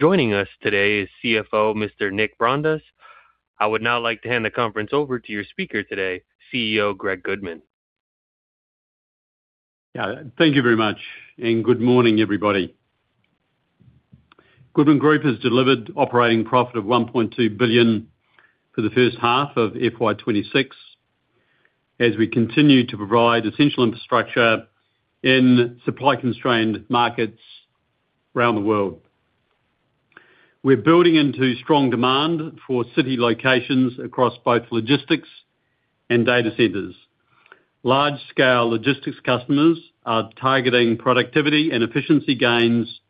Joining us today is CFO, Mr. Nick Vrondas. I would now like to hand the conference over to your speaker today, CEO Greg Goodman. Yeah, thank you very much, and good morning, everybody. Goodman Group has delivered operating profit of 1.2 billion for the first half of FY 2026, as we continue to provide essential infrastructure in supply-constrained markets around the world. We're building into strong demand for city locations across both logistics and data centers. Large-scale logistics customers are targeting productivity and efficiency gains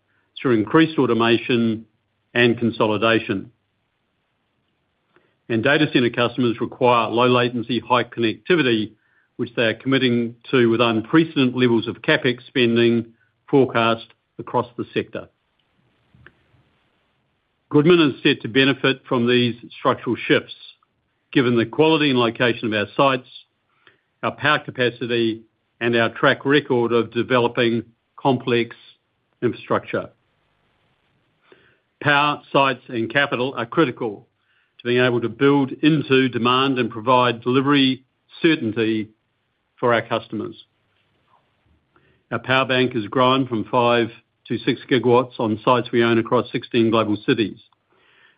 through increased automation and consolidation. Data center customers require low latency, high connectivity, which they are committing to with unprecedented levels of CapEx spending forecast across the sector. Goodman is set to benefit from these structural shifts, given the quality and location of our sites, our power capacity, and our track record of developing complex infrastructure. Power, sites, and capital are critical to being able to build into demand and provide delivery certainty for our customers. Our power bank has grown from 5 GW-6 GW on sites we own across 16 global cities.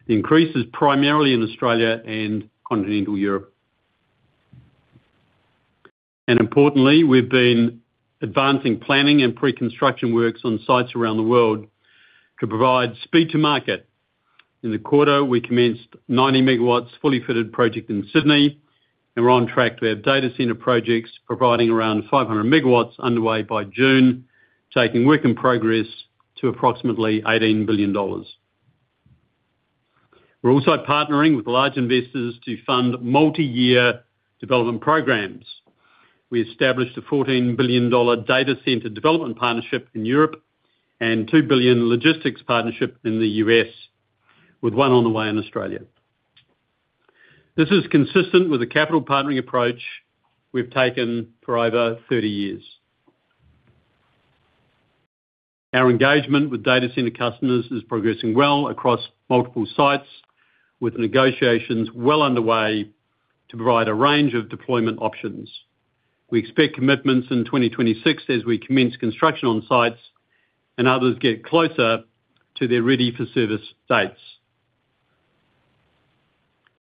The increase is primarily in Australia and Continental Europe. Importantly, we've been advancing planning and preconstruction works on sites around the world to provide speed to market. In the quarter, we commenced a 90 MW, fully fitted project in Sydney, and we're on track to have data center projects providing around 500 MW underway by June, taking work in progress to approximately 18 billion dollars. We're also partnering with large investors to fund multi-year development programs. We established a 14 billion dollar data center development partnership in Europe and a 2 billion logistics partnership in the U.S., with one on the way in Australia. This is consistent with the capital partnering approach we've taken for over 30 years. Our engagement with data center customers is progressing well across multiple sites, with negotiations well underway to provide a range of deployment options. We expect commitments in 2026 as we commence construction on sites and others get closer to their ready-for-service dates.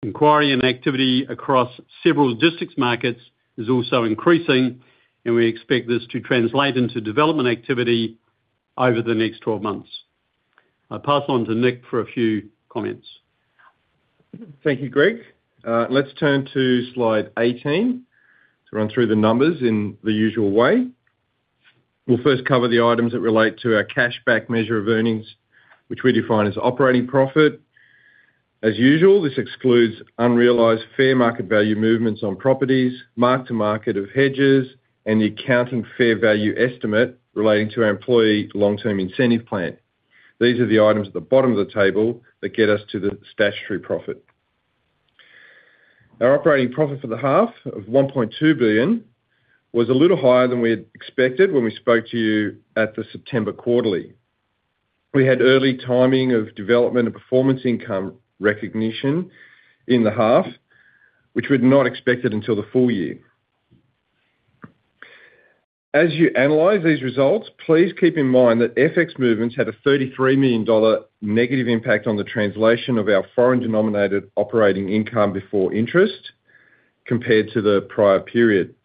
Inquiry and activity across several logistics markets is also increasing, and we expect this to translate into development activity over the next 12 months. I'll pass on to Nick for a few comments. Thank you, Greg. Let's turn to slide 18 to run through the numbers in the usual way. We'll first cover the items that relate to our cash-backed measure of earnings, which we define as operating profit. As usual, this excludes unrealized fair market value movements on properties, mark-to-market of hedges, and the accounting fair value estimate relating to our employee long-term incentive plan. These are the items at the bottom of the table that get us to the statutory profit. Our operating profit for the half of 1.2 billion was a little higher than we had expected when we spoke to you at the September quarterly. We had early timing of development and performance income recognition in the half, which we'd not expected until the full year. As you analyze these results, please keep in mind that FX movements had a 33 million dollar negative impact on the translation of our foreign-denominated operating income before interest compared to the prior period.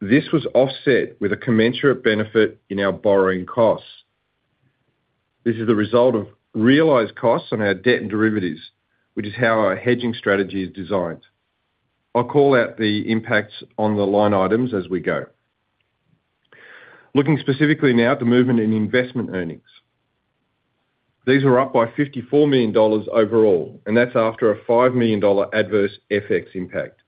This was offset with a commensurate benefit in our borrowing costs. This is a result of realized costs on our debt and derivatives, which is how our hedging strategy is designed. I'll call out the impacts on the line items as we go. Looking specifically now at the movement in investment earnings. These are up by 54 million dollars overall, and that's after a 5 million dollar adverse FX impact.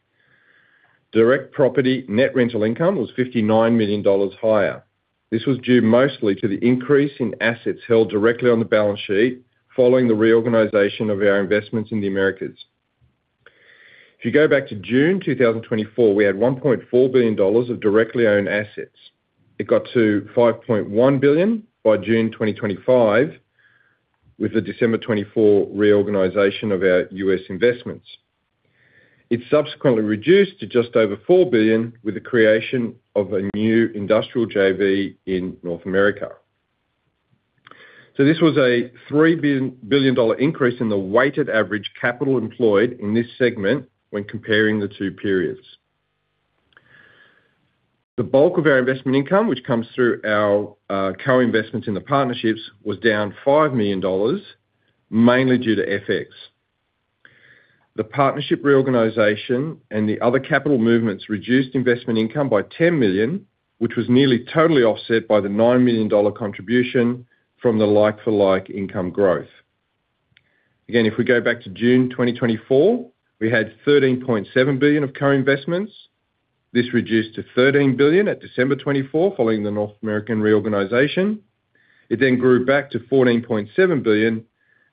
Direct property net rental income was 59 million dollars higher. This was due mostly to the increase in assets held directly on the balance sheet, following the reorganization of our investments in the Americas. If you go back to June 2024, we had $1.4 billion of directly owned assets. It got to $5.1 billion by June 2025, with the December 2024 reorganization of our U.S. investments. It subsequently reduced to just over $4 billion with the creation of a new industrial JV in North America. This was a $3 billion increase in the weighted average capital employed in this segment when comparing the two periods. The bulk of our investment income, which comes through our co-investments in the partnerships, was down $5 million, mainly due to FX. The partnership reorganization and the other capital movements reduced investment income by $10 million, which was nearly totally offset by the $9 million contribution from the like-for-like income growth. Again, if we go back to June 2024, we had $13.7 billion of co-investments. This reduced to $13 billion at December 2024, following the North American reorganization. It then grew back to $14.7 billion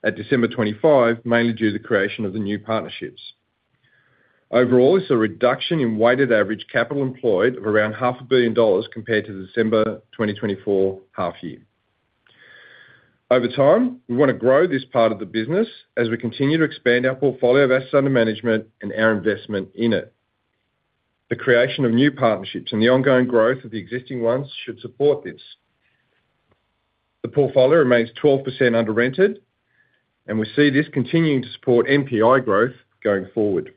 at December 2025, mainly due to the creation of the new partnerships. Overall, it's a reduction in weighted average capital employed of around $500 million compared to the December 2024 half year. Over time, we wanna grow this part of the business as we continue to expand our portfolio of assets under management and our investment in it. The creation of new partnerships and the ongoing growth of the existing ones should support this. The portfolio remains 12% under rented, and we see this continuing to support NPI growth going forward.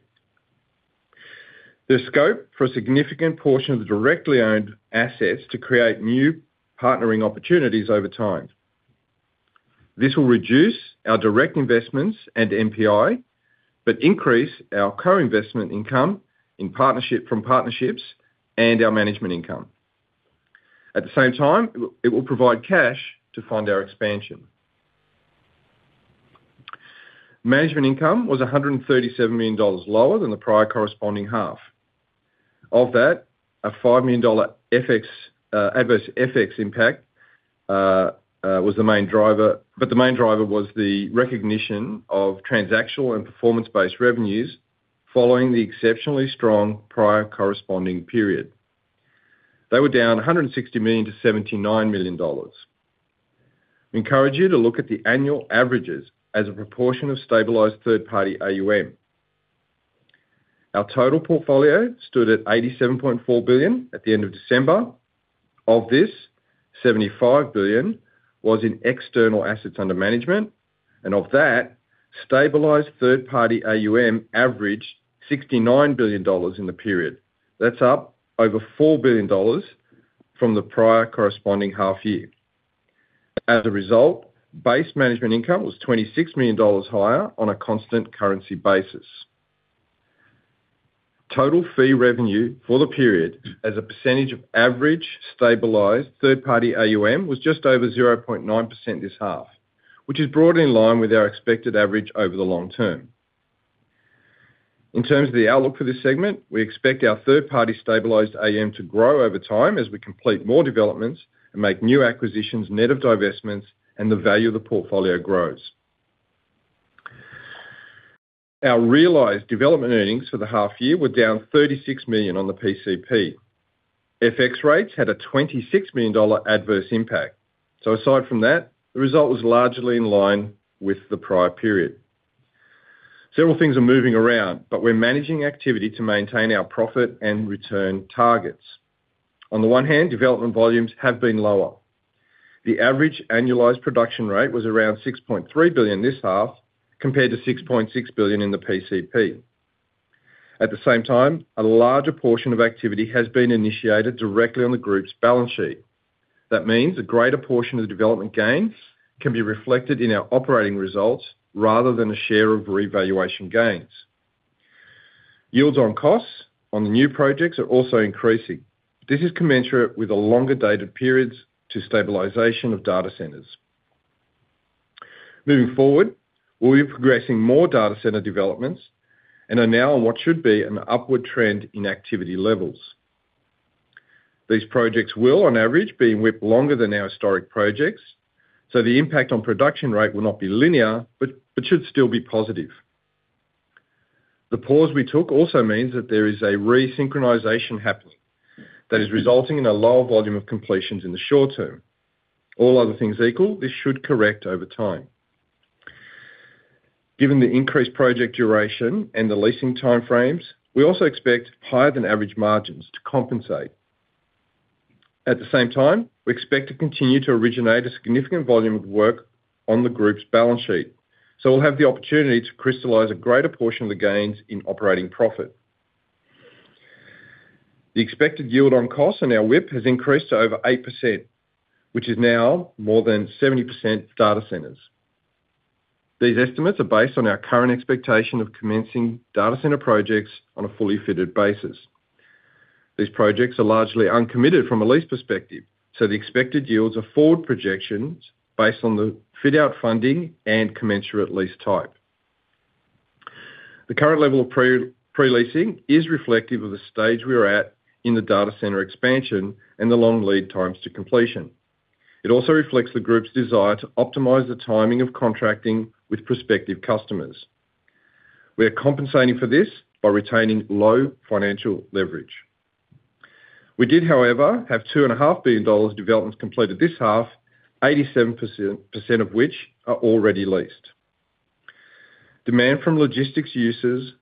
There's scope for a significant portion of the directly owned assets to create new partnering opportunities over time. This will reduce our direct investments and NPI, but increase our co-investment income from partnerships and our management income. At the same time, it will provide cash to fund our expansion. Management income was 137 million dollars lower than the prior corresponding half. Of that, a 5 million dollar adverse FX impact was the main driver, but the main driver was the recognition of transactional and performance-based revenues following the exceptionally strong prior corresponding period. They were down 160 million to 79 million dollars. We encourage you to look at the annual averages as a proportion of stabilized third-party AUM. Our total portfolio stood at 87.4 billion at the end of December. Of this, $75 billion was in external assets under management, and of that, stabilized third-party AUM averaged $69 billion in the period. That's up over $4 billion from the prior corresponding half year. As a result, base management income was $26 million higher on a constant currency basis. Total fee revenue for the period as a percentage of average stabilized third-party AUM, was just over 0.9% this half, which is broadly in line with our expected average over the long term. In terms of the outlook for this segment, we expect our third-party stabilized AUM to grow over time as we complete more developments and make new acquisitions net of divestments, and the value of the portfolio grows. Our realized development earnings for the half year were down $36 million on the PCP. FX rates had a $26 million adverse impact. Aside from that, the result was largely in line with the prior period. Several things are moving around, but we're managing activity to maintain our profit and return targets. On the one hand, development volumes have been lower. The average annualized production rate was around 6.3 billion this half, compared to 6.6 billion in the PCP. At the same time, a larger portion of activity has been initiated directly on the group's balance sheet. That means a greater portion of the development gains can be reflected in our operating results, rather than a share of revaluation gains. Yields on costs on the new projects are also increasing. This is commensurate with the longer dated periods to stabilization of data centers. Moving forward, we'll be progressing more data center developments and are now on what should be an upward trend in activity levels. These projects will, on average, be in WIP longer than our historic projects, so the impact on production rate will not be linear, but should still be positive. The pause we took also means that there is a resynchronization happening that is resulting in a lower volume of completions in the short term. All other things equal, this should correct over time. Given the increased project duration and the leasing time frames, we also expect higher-than-average margins to compensate. At the same time, we expect to continue to originate a significant volume of work on the group's balance sheet, so we'll have the opportunity to crystallize a greater portion of the gains in operating profit. The expected yield on costs on our WIP has increased to over 8%, which is now more than 70% data centers. These estimates are based on our current expectation of commencing data center projects on a fully fitted basis. These projects are largely uncommitted from a lease perspective, so the expected yields are forward projections based on the fit-out funding and commensurate lease type. The current level of pre-leasing is reflective of the stage we are at in the data center expansion and the long lead times to completion. It also reflects the group's desire to optimize the timing of contracting with prospective customers. We are compensating for this by retaining low financial leverage. We did, however, have 2.5 billion dollars of developments completed this half, 87% of which are already leased. Demand from logistics users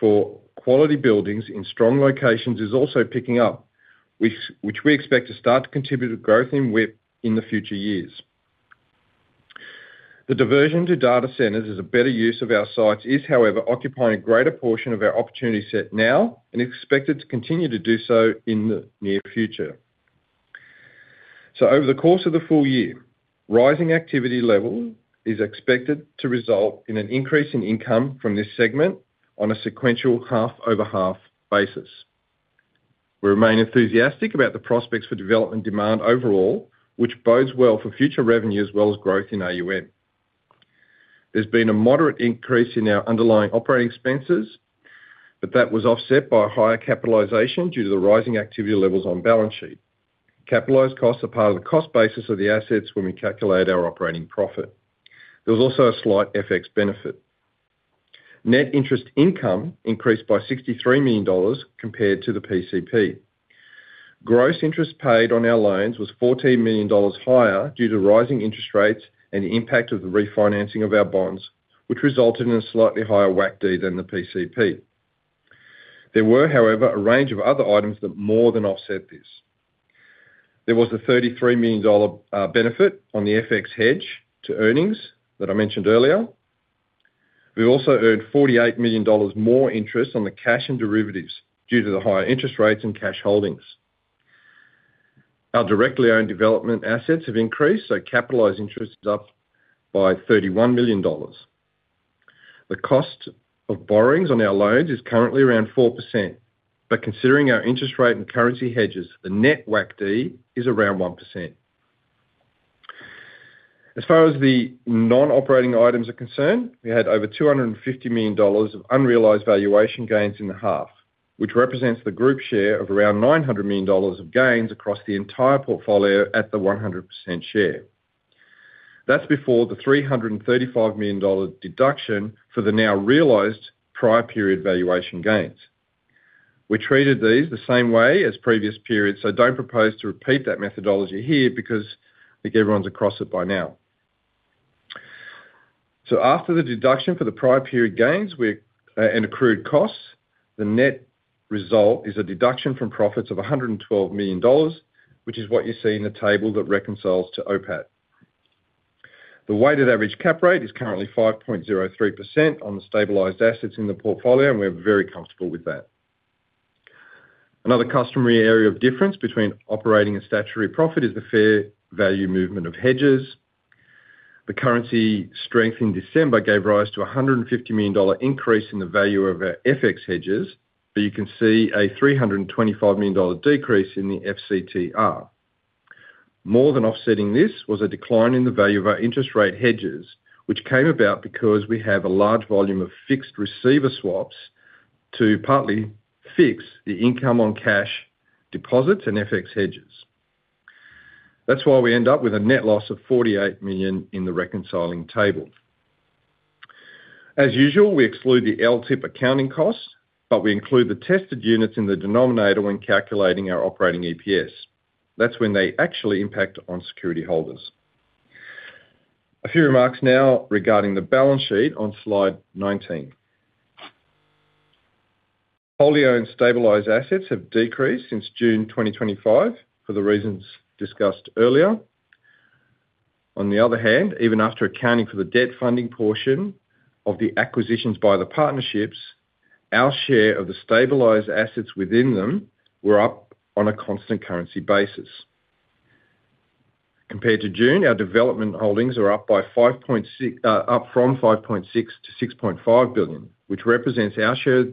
for quality buildings in strong locations is also picking up, which we expect to start to contribute to growth in WIP in the future years. The diversion to data centers is a better use of our sites, is, however, occupying a greater portion of our opportunity set now and is expected to continue to do so in the near future. So over the course of the full year, rising activity level is expected to result in an increase in income from this segment on a sequential half-over-half basis. We remain enthusiastic about the prospects for development demand overall, which bodes well for future revenue as well as growth in AUM. There's been a moderate increase in our underlying operating expenses, but that was offset by a higher capitalization due to the rising activity levels on balance sheet. Capitalized costs are part of the cost basis of the assets when we calculate our operating profit. There was also a slight FX benefit. Net interest income increased by AUD 63 million compared to the PCP. Gross interest paid on our loans was AUD 14 million higher due to rising interest rates and the impact of the refinancing of our bonds, which resulted in a slightly higher WACD than the PCP. There were, however, a range of other items that more than offset this. There was a 33 million dollar benefit on the FX hedge to earnings that I mentioned earlier. We also earned 48 million dollars more interest on the cash and derivatives due to the higher interest rates and cash holdings. Our directly owned development assets have increased, so capitalized interest is up by 31 million dollars. The cost of borrowings on our loans is currently around 4%, but considering our interest rate and currency hedges, the net WACD is around 1%. As far as the non-operating items are concerned, we had over 250 million dollars of unrealized valuation gains in the half, which represents the group share of around 900 million dollars of gains across the entire portfolio at the 100% share. That's before the 335 million dollar deduction for the now realized prior period valuation gains. We treated these the same way as previous periods, so don't propose to repeat that methodology here because I think everyone's across it by now. So after the deduction for the prior period gains, we and accrued costs, the net result is a deduction from profits of 112 million dollars, which is what you see in the table that reconciles to OPET. The weighted average cap rate is currently 5.03% on the stabilized assets in the portfolio, and we're very comfortable with that. Another customary area of difference between operating and statutory profit is the fair value movement of hedges. The currency strength in December gave rise to an 150 million dollar increase in the value of our FX hedges, but you can see an 325 million dollar decrease in the FCTR. More than offsetting this was a decline in the value of our interest rate hedges, which came about because we have a large volume of fixed receiver swaps to partly fix the income on cash deposits and FX hedges. That's why we end up with a net loss of 48 million in the reconciling table. As usual, we exclude the LTIP accounting costs, but we include the tested units in the denominator when calculating our operating EPS. That's when they actually impact on security holders. A few remarks now regarding the balance sheet on slide 19. Wholly owned stabilized assets have decreased since June 2025 for the reasons discussed earlier. On the other hand, even after accounting for the debt funding portion of the acquisitions by the partnerships, our share of the stabilized assets within them were up on a constant currency basis. Compared to June, our development holdings are up from 5.6 billion to 6.5 billion, which represents our share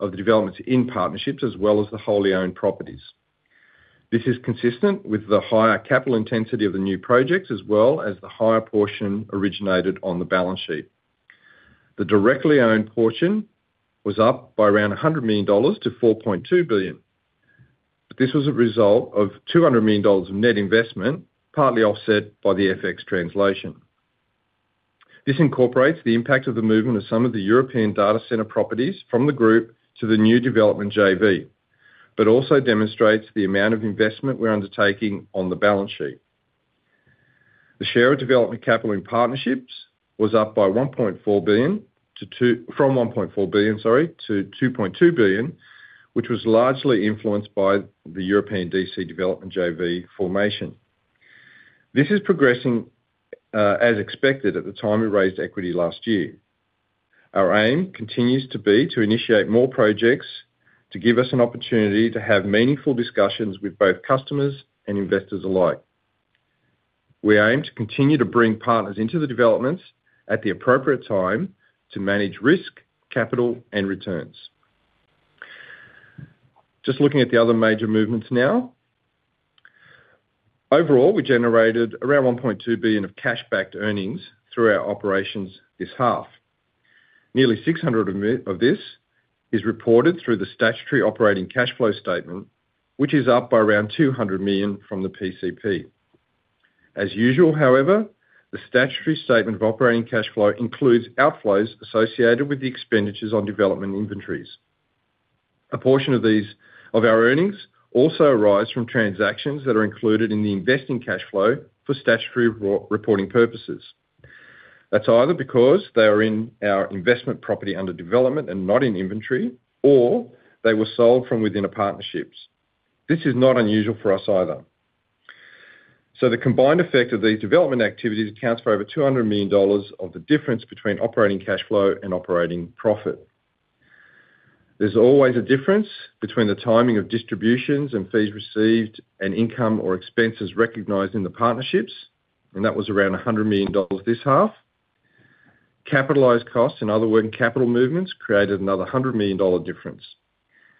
of the developments in partnerships, as well as the wholly owned properties. This is consistent with the higher capital intensity of the new projects, as well as the higher portion originated on the balance sheet. The directly owned portion was up by around 100 million dollars to 4.2 billion, but this was a result of 200 million dollars of net investment, partly offset by the FX translation. This incorporates the impact of the movement of some of the European data center properties from the group to the new development JV, but also demonstrates the amount of investment we're undertaking on the balance sheet. The share of development capital in partnerships was up by 1.4 billion to $2.2 billion—from 1.4 billion, sorry, to 2.2 billion, which was largely influenced by the European DC development JV formation. This is progressing, as expected at the time we raised equity last year. Our aim continues to be to initiate more projects, to give us an opportunity to have meaningful discussions with both customers and investors alike. We aim to continue to bring partners into the developments at the appropriate time to manage risk, capital, and returns. Just looking at the other major movements now. Overall, we generated around 1.2 billion of cash backed earnings through our operations this half. Nearly 600 million of this is reported through the statutory operating cash flow statement, which is up by around 200 million from the PCP. As usual, however, the statutory statement of operating cash flow includes outflows associated with the expenditures on development inventories. A portion of these, of our earnings also arise from transactions that are included in the investing cash flow for statutory reporting purposes. That's either because they are in our investment property under development and not in inventory, or they were sold from within our partnerships. This is not unusual for us either. So the combined effect of these development activities accounts for over 200 million dollars of the difference between operating cash flow and operating profit. There's always a difference between the timing of distributions and fees received and income or expenses recognized in the partnerships, and that was around 100 million dollars this half. Capitalized costs, in other words, capital movements, created another 100 million dollar difference,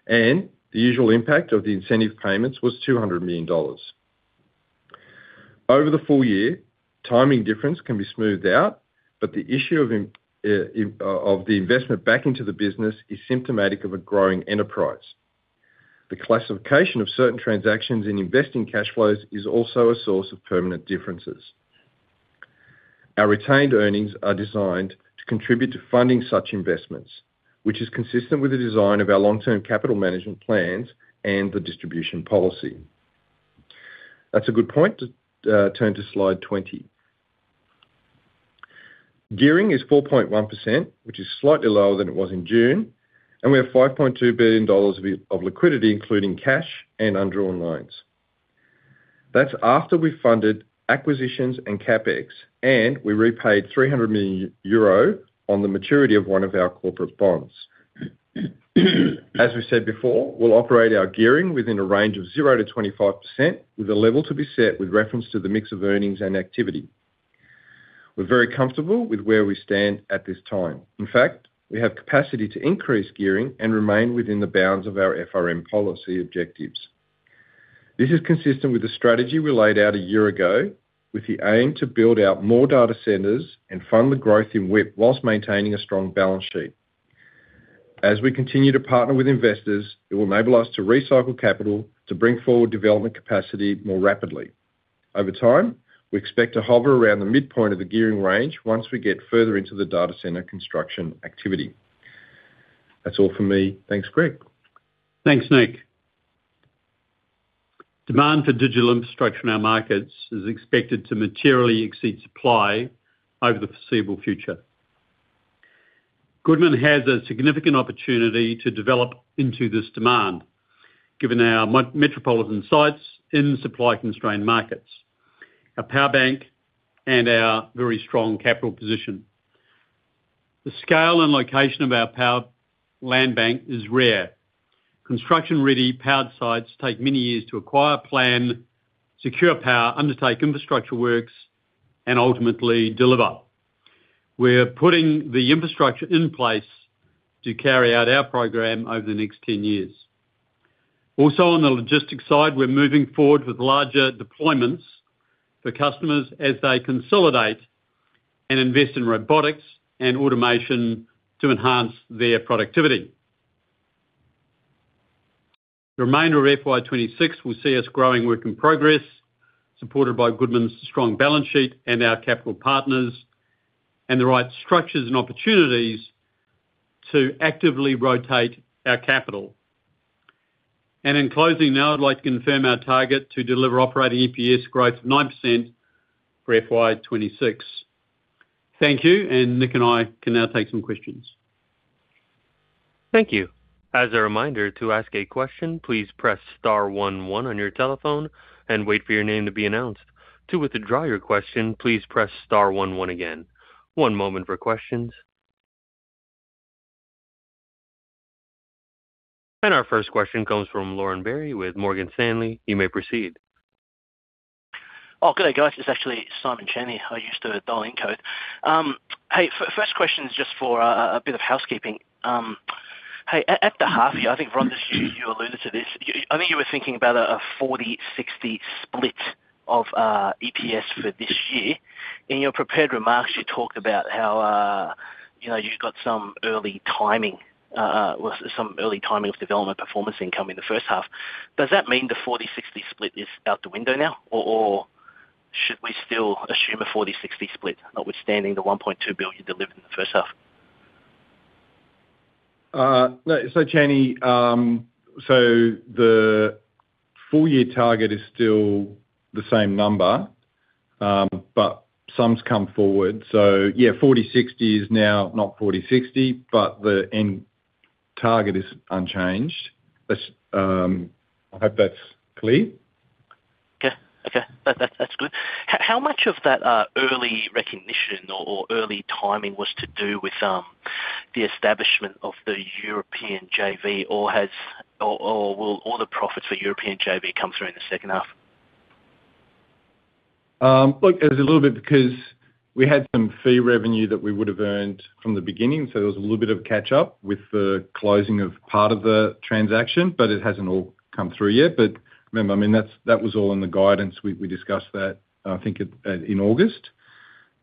and the usual impact of the incentive payments was 200 million dollars. Over the full year, timing difference can be smoothed out, but the issue of the investment back into the business is symptomatic of a growing enterprise. The classification of certain transactions in investing cash flows is also a source of permanent differences. Our retained earnings are designed to contribute to funding such investments, which is consistent with the design of our long-term capital management plans and the distribution policy. That's a good point to turn to slide 20. Gearing is 4.1%, which is slightly lower than it was in June, and we have $5.2 billion of liquidity, including cash and undrawn loans. That's after we funded acquisitions and CapEx, and we repaid 300 million euro on the maturity of one of our corporate bonds. As we said before, we'll operate our gearing within a range of 0%-25%, with a level to be set with reference to the mix of earnings and activity. We're very comfortable with where we stand at this time. In fact, we have capacity to increase gearing and remain within the bounds of our FRM policy objectives. This is consistent with the strategy we laid out a year ago, with the aim to build out more data centers and fund the growth in WIP, whilst maintaining a strong balance sheet. As we continue to partner with investors, it will enable us to recycle capital to bring forward development capacity more rapidly. Over time, we expect to hover around the midpoint of the gearing range once we get further into the data center construction activity. That's all for me. Thanks, Greg. Thanks, Nick. Demand for digital infrastructure in our markets is expected to materially exceed supply over the foreseeable future. Goodman has a significant opportunity to develop into this demand, given our metropolitan sites in supply-constrained markets, our power bank, and our very strong capital position. The scale and location of our power land bank is rare. Construction-ready powered sites take many years to acquire, plan, secure power, undertake infrastructure works, and ultimately deliver. We're putting the infrastructure in place to carry out our program over the next 10 years. Also, on the logistics side, we're moving forward with larger deployments for customers as they consolidate and invest in robotics and automation to enhance their productivity. The remainder of FY 2026 will see us growing work in progress, supported by Goodman's strong balance sheet and our capital partners, and the right structures and opportunities to actively rotate our capital. And in closing, now, I'd like to confirm our target to deliver operating EPS growth of 9% for FY 2026. Thank you, and Nick and I can now take some questions. Thank you. As a reminder to ask a question, please press star one one on your telephone and wait for your name to be announced. To withdraw your question, please press star one one again. One moment for questions. Our first question comes from Lauren Berry with Morgan Stanley. You may proceed. Oh, good day, guys. It's actually Simon Chan. I used the dial-in code. Hey, first question is just for a bit of housekeeping. Hey, at the half year, I think, Vrondas, you alluded to this. I think you were thinking about a 40/60 split of EPS for this year. In your prepared remarks, you talked about how, you know, you've got some early timing, well, some early timing of development performance income in the first half. Does that mean the 40/60 split is out the window now, or should we still assume a 40/60 split, notwithstanding the 1.2 billion delivered in the first half? No. So, Chan, so the full year target is still the same number, but sums come forward. So yeah, 40/60 is now not 40/60, but the end target is unchanged. That's. I hope that's clear. Okay. Okay, that, that's good. How much of that early recognition or early timing was to do with the establishment of the European JV, or has or will all the profits for European JV come through in the second half? Look, it was a little bit because we had some fee revenue that we would have earned from the beginning, so there was a little bit of catch up with the closing of part of the transaction, but it hasn't all come through yet. But remember, I mean, that's, that was all in the guidance. We, we discussed that, I think, at, in August,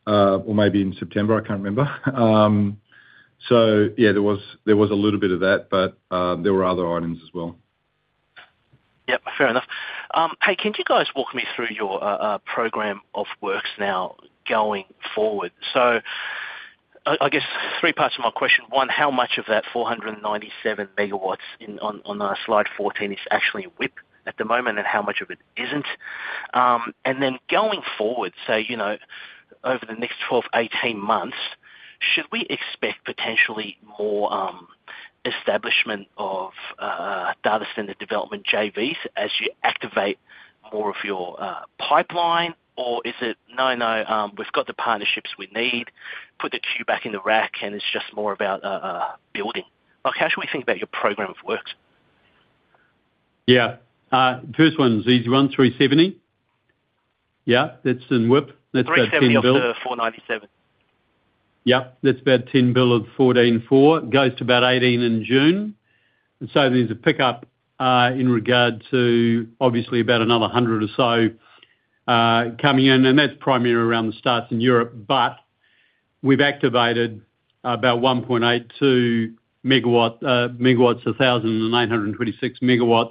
or maybe in September, I can't remember. So yeah, there was, there was a little bit of that, but, there were other items as well. Yep, fair enough. Hey, can you guys walk me through your program of works now going forward? I guess three parts to my question. One, how much of that 497 MW on slide 14 is actually in WIP at the moment, and how much of it isn't? Going forward, say, over the next 12-18 months, should we expect potentially more establishment of data center development JVs as you activate more of your pipeline? Or is it, "No, no, we've got the partnerships we need, put the queue back in the rack, and it's just more about building." Like, how should we think about your program of works? Yeah. First one is easy one, 370 MW. Yeah, that's in WIP. That's got- 370 MW of the 497 MW? Yep, that's about 10 billion of 14.4 billion. Goes to about 18 billion in June, and so there's a pickup in regard to obviously about another 100 or so coming in, and that's primarily around the starts in Europe. But we've activated about 1.92 MW, 1,926 MW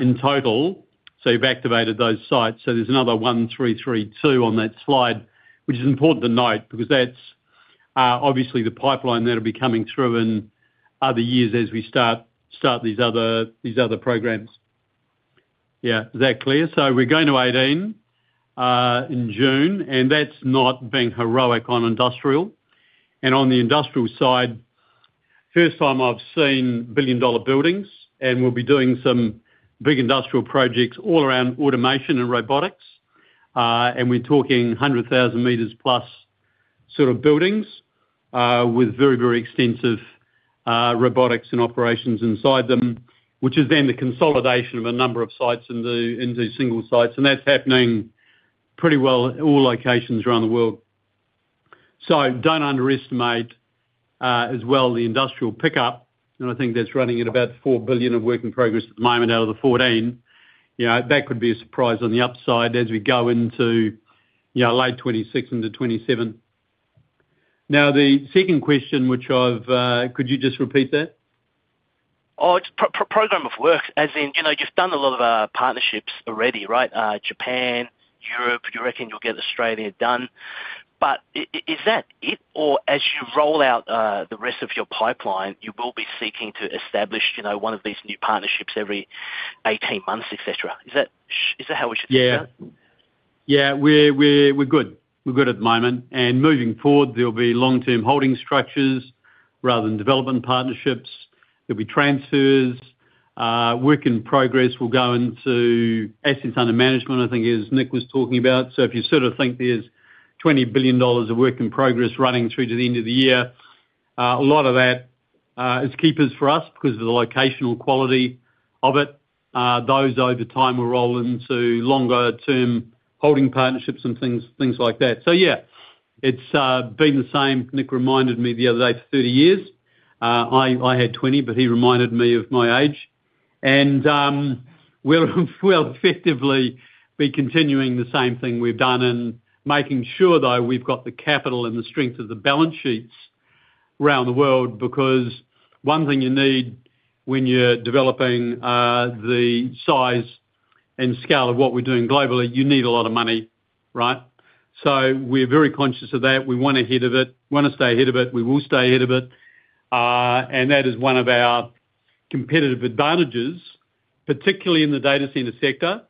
in total. So we've activated those sites. So there's another 1,332 on that slide, which is important to note because that's obviously the pipeline that'll be coming through in other years as we start these other programs. Yeah. Is that clear? So we're going to 18 in June, and that's not being heroic on industrial. And on the industrial side, first time I've seen billion-dollar buildings, and we'll be doing some big industrial projects all around automation and robotics. And we're talking 100,000 m plus sort of buildings with very, very extensive robotics and operations inside them, which is then the consolidation of a number of sites into, into single sites. And that's happening pretty well in all locations around the world. So don't underestimate, as well, the industrial pickup, and I think that's running at about 4 billion of work in progress at the moment out of the 14. You know, that could be a surprise on the upside as we go into, you know, late 2026 into 2027. Now, the second question, which I've, could you just repeat that? Oh, it's program of work. As in, you know, you've done a lot of partnerships already, right? Japan, Europe, you reckon you'll get Australia done. But is that it, or as you roll out the rest of your pipeline, you will be seeking to establish, you know, one of these new partnerships every 18 months, et cetera. Is that, is that how we should think of that? Yeah. Yeah, we're, we're, we're good. We're good at the moment, and moving forward, there'll be long-term holding structures rather than development partnerships. There'll be transfers. Work in progress will go into assets under management, I think, as Nick was talking about. So if you sort of think there's 20 billion dollars of work in progress running through to the end of the year, a lot of that is keepers for us because of the locational quality of it. Those over time will roll into longer-term holding partnerships and things, things like that. So, yeah, it's been the same. Nick reminded me the other day, it's 30 years. I had 20, but he reminded me of my age. We'll effectively be continuing the same thing we've done and making sure, though, we've got the capital and the strength of the balance sheets around the world, because one thing you need when you're developing the size and scale of what we're doing globally, you need a lot of money, right? We're very conscious of that. We want ahead of it, want to stay ahead of it. We will stay ahead of it. That is one of our competitive advantages, particularly in the data center sector,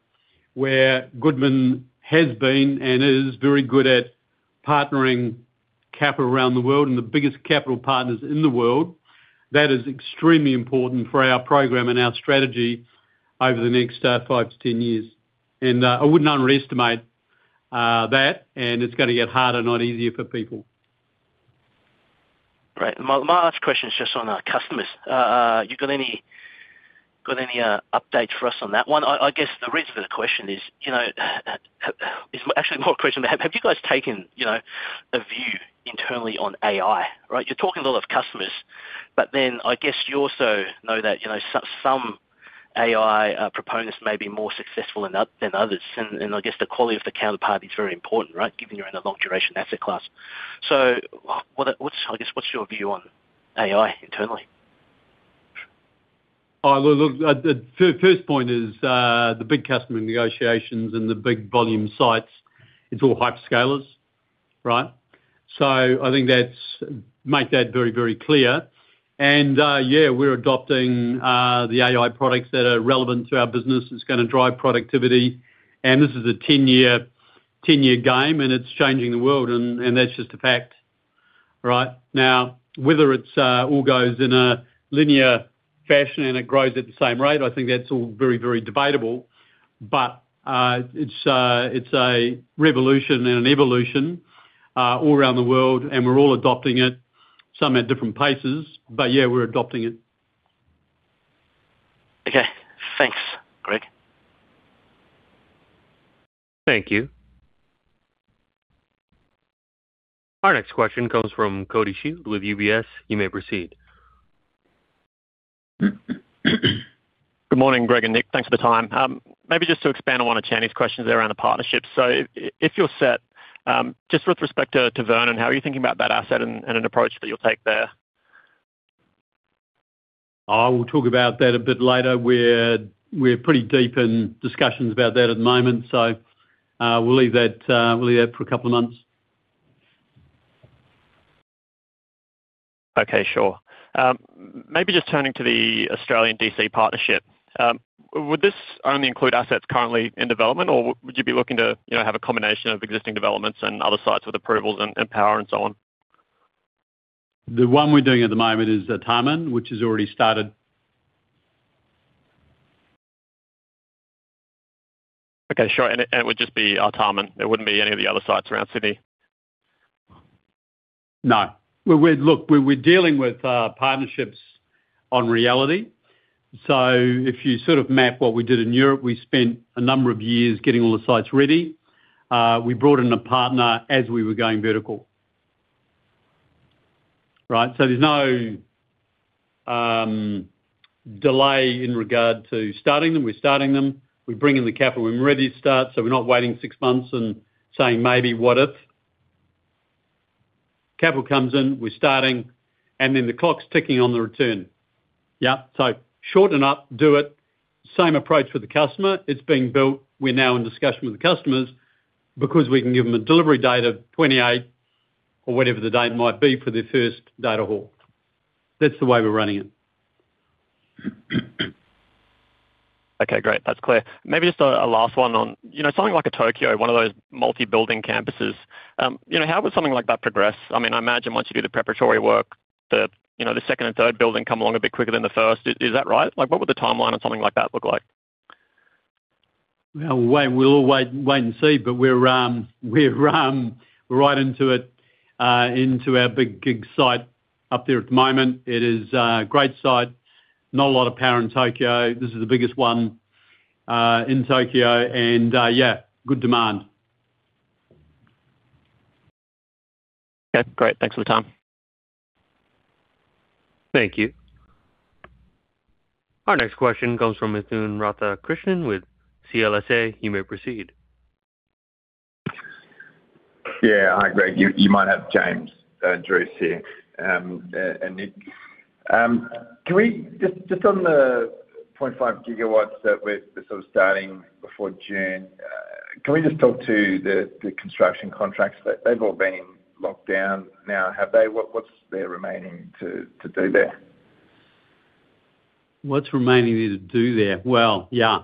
where Goodman has been and is very good at partnering capital around the world and the biggest capital partners in the world. That is extremely important for our program and our strategy over the next five to ten years. I wouldn't underestimate that, and it's gonna get harder, not easier, for people. Great. My last question is just on our customers. You got any updates for us on that one? I guess the rest of the question is, you know, it's actually more a question. Have you guys taken, you know, a view internally on AI, right? You're talking a lot of customers, but then I guess you also know that, you know, some AI proponents may be more successful than others. And I guess the quality of the counterparty is very important, right? Given you're in a long duration asset class. So what's your view on AI internally? Oh, look, look, the first point is, the big customer negotiations and the big volume sites, it's all hyperscalers, right? So I think that makes it very, very clear. And, yeah, we're adopting the AI products that are relevant to our business. It's gonna drive productivity, and this is a 10-year, 10-year game, and it's changing the world, and that's just a fact, right? Now, whether it all goes in a linear fashion and it grows at the same rate, I think that's all very, very debatable. But, it's a, it's a revolution and an evolution all around the world, and we're all adopting it, some at different paces. But yeah, we're adopting it. Okay. Thanks, Greg. Thank you. Our next question comes from Cody Shield with UBS. You may proceed. Good morning, Greg and Nick. Thanks for the time. Maybe just to expand on one of Chan's questions around the partnerships. If you're set, just with respect to Vernon, how are you thinking about that asset and an approach that you'll take there? I will talk about that a bit later. We're, we're pretty deep in discussions about that at the moment, so, we'll leave that, we'll leave that for a couple of months. Okay, sure. Maybe just turning to the Australian DC partnership, would this only include assets currently in development, or would you be looking to, you know, have a combination of existing developments and other sites with approvals and power and so on? The one we're doing at the moment is, Artarmon, which has already started. Okay, sure. And it would just be Artarmon. It wouldn't be any of the other sites around Sydney? No. We'd-- look, we're dealing with partnerships on reality-... If you sort of map what we did in Europe, we spent a number of years getting all the sites ready. We brought in a partner as we were going vertical. Right, so there's no delay in regard to starting them. We're starting them. We bring in the capital when we're ready to start, so we're not waiting six months and saying, maybe, what if? Capital comes in, we're starting, and then the clock's ticking on the return. Yeah, so shorten up, do it. Same approach with the customer. It's being built. We're now in discussion with the customers because we can give them a delivery date of 28 or whatever the date might be for their first data hall. That's the way we're running it. Okay, great. That's clear. Maybe just a last one on, you know, something like a Tokyo, one of those multi-building campuses. You know, how would something like that progress? I mean, I imagine once you do the preparatory work, the, you know, the second and third building come along a bit quicker than the first. Is that right? Like, what would the timeline on something like that look like? Well, we'll wait, wait and see, but we're, we're right into it, into our big, big site up there at the moment. It is a great site. Not a lot of power in Tokyo. This is the biggest one in Tokyo, and, yeah, good demand. Okay, great. Thanks for the time. Thank you. Our next question comes from Mithun Rathakrishnan with CLSA. You may proceed. Yeah. Hi, Greg. You might have James Druce here, and Nick. Can we just, just on the 0.5 GW that we're sort of starting before June, can we just talk to the construction contracts, that they've all been locked down now, have they? What's there remaining to do there? What's remaining there to do there? Well, yeah.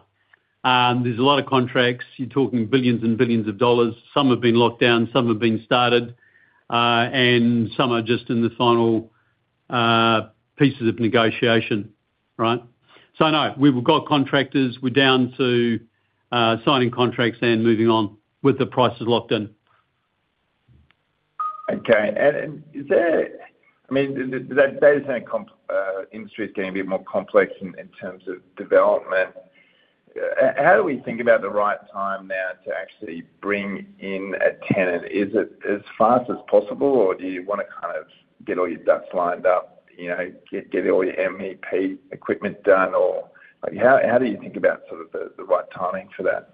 There's a lot of contracts. You're talking $ billions and billions. Some have been locked down, some have been started, and some are just in the final pieces of negotiation, right? So no, we've got contractors. We're down to signing contracts and moving on with the prices locked in. Okay. And is there, I mean, the data center complex industry is getting a bit more complex in terms of development. How do we think about the right time now to actually bring in a tenant? Is it as fast as possible, or do you want to kind of get all your ducks lined up, you know, get all your MEP equipment done, or how do you think about sort of the right timing for that?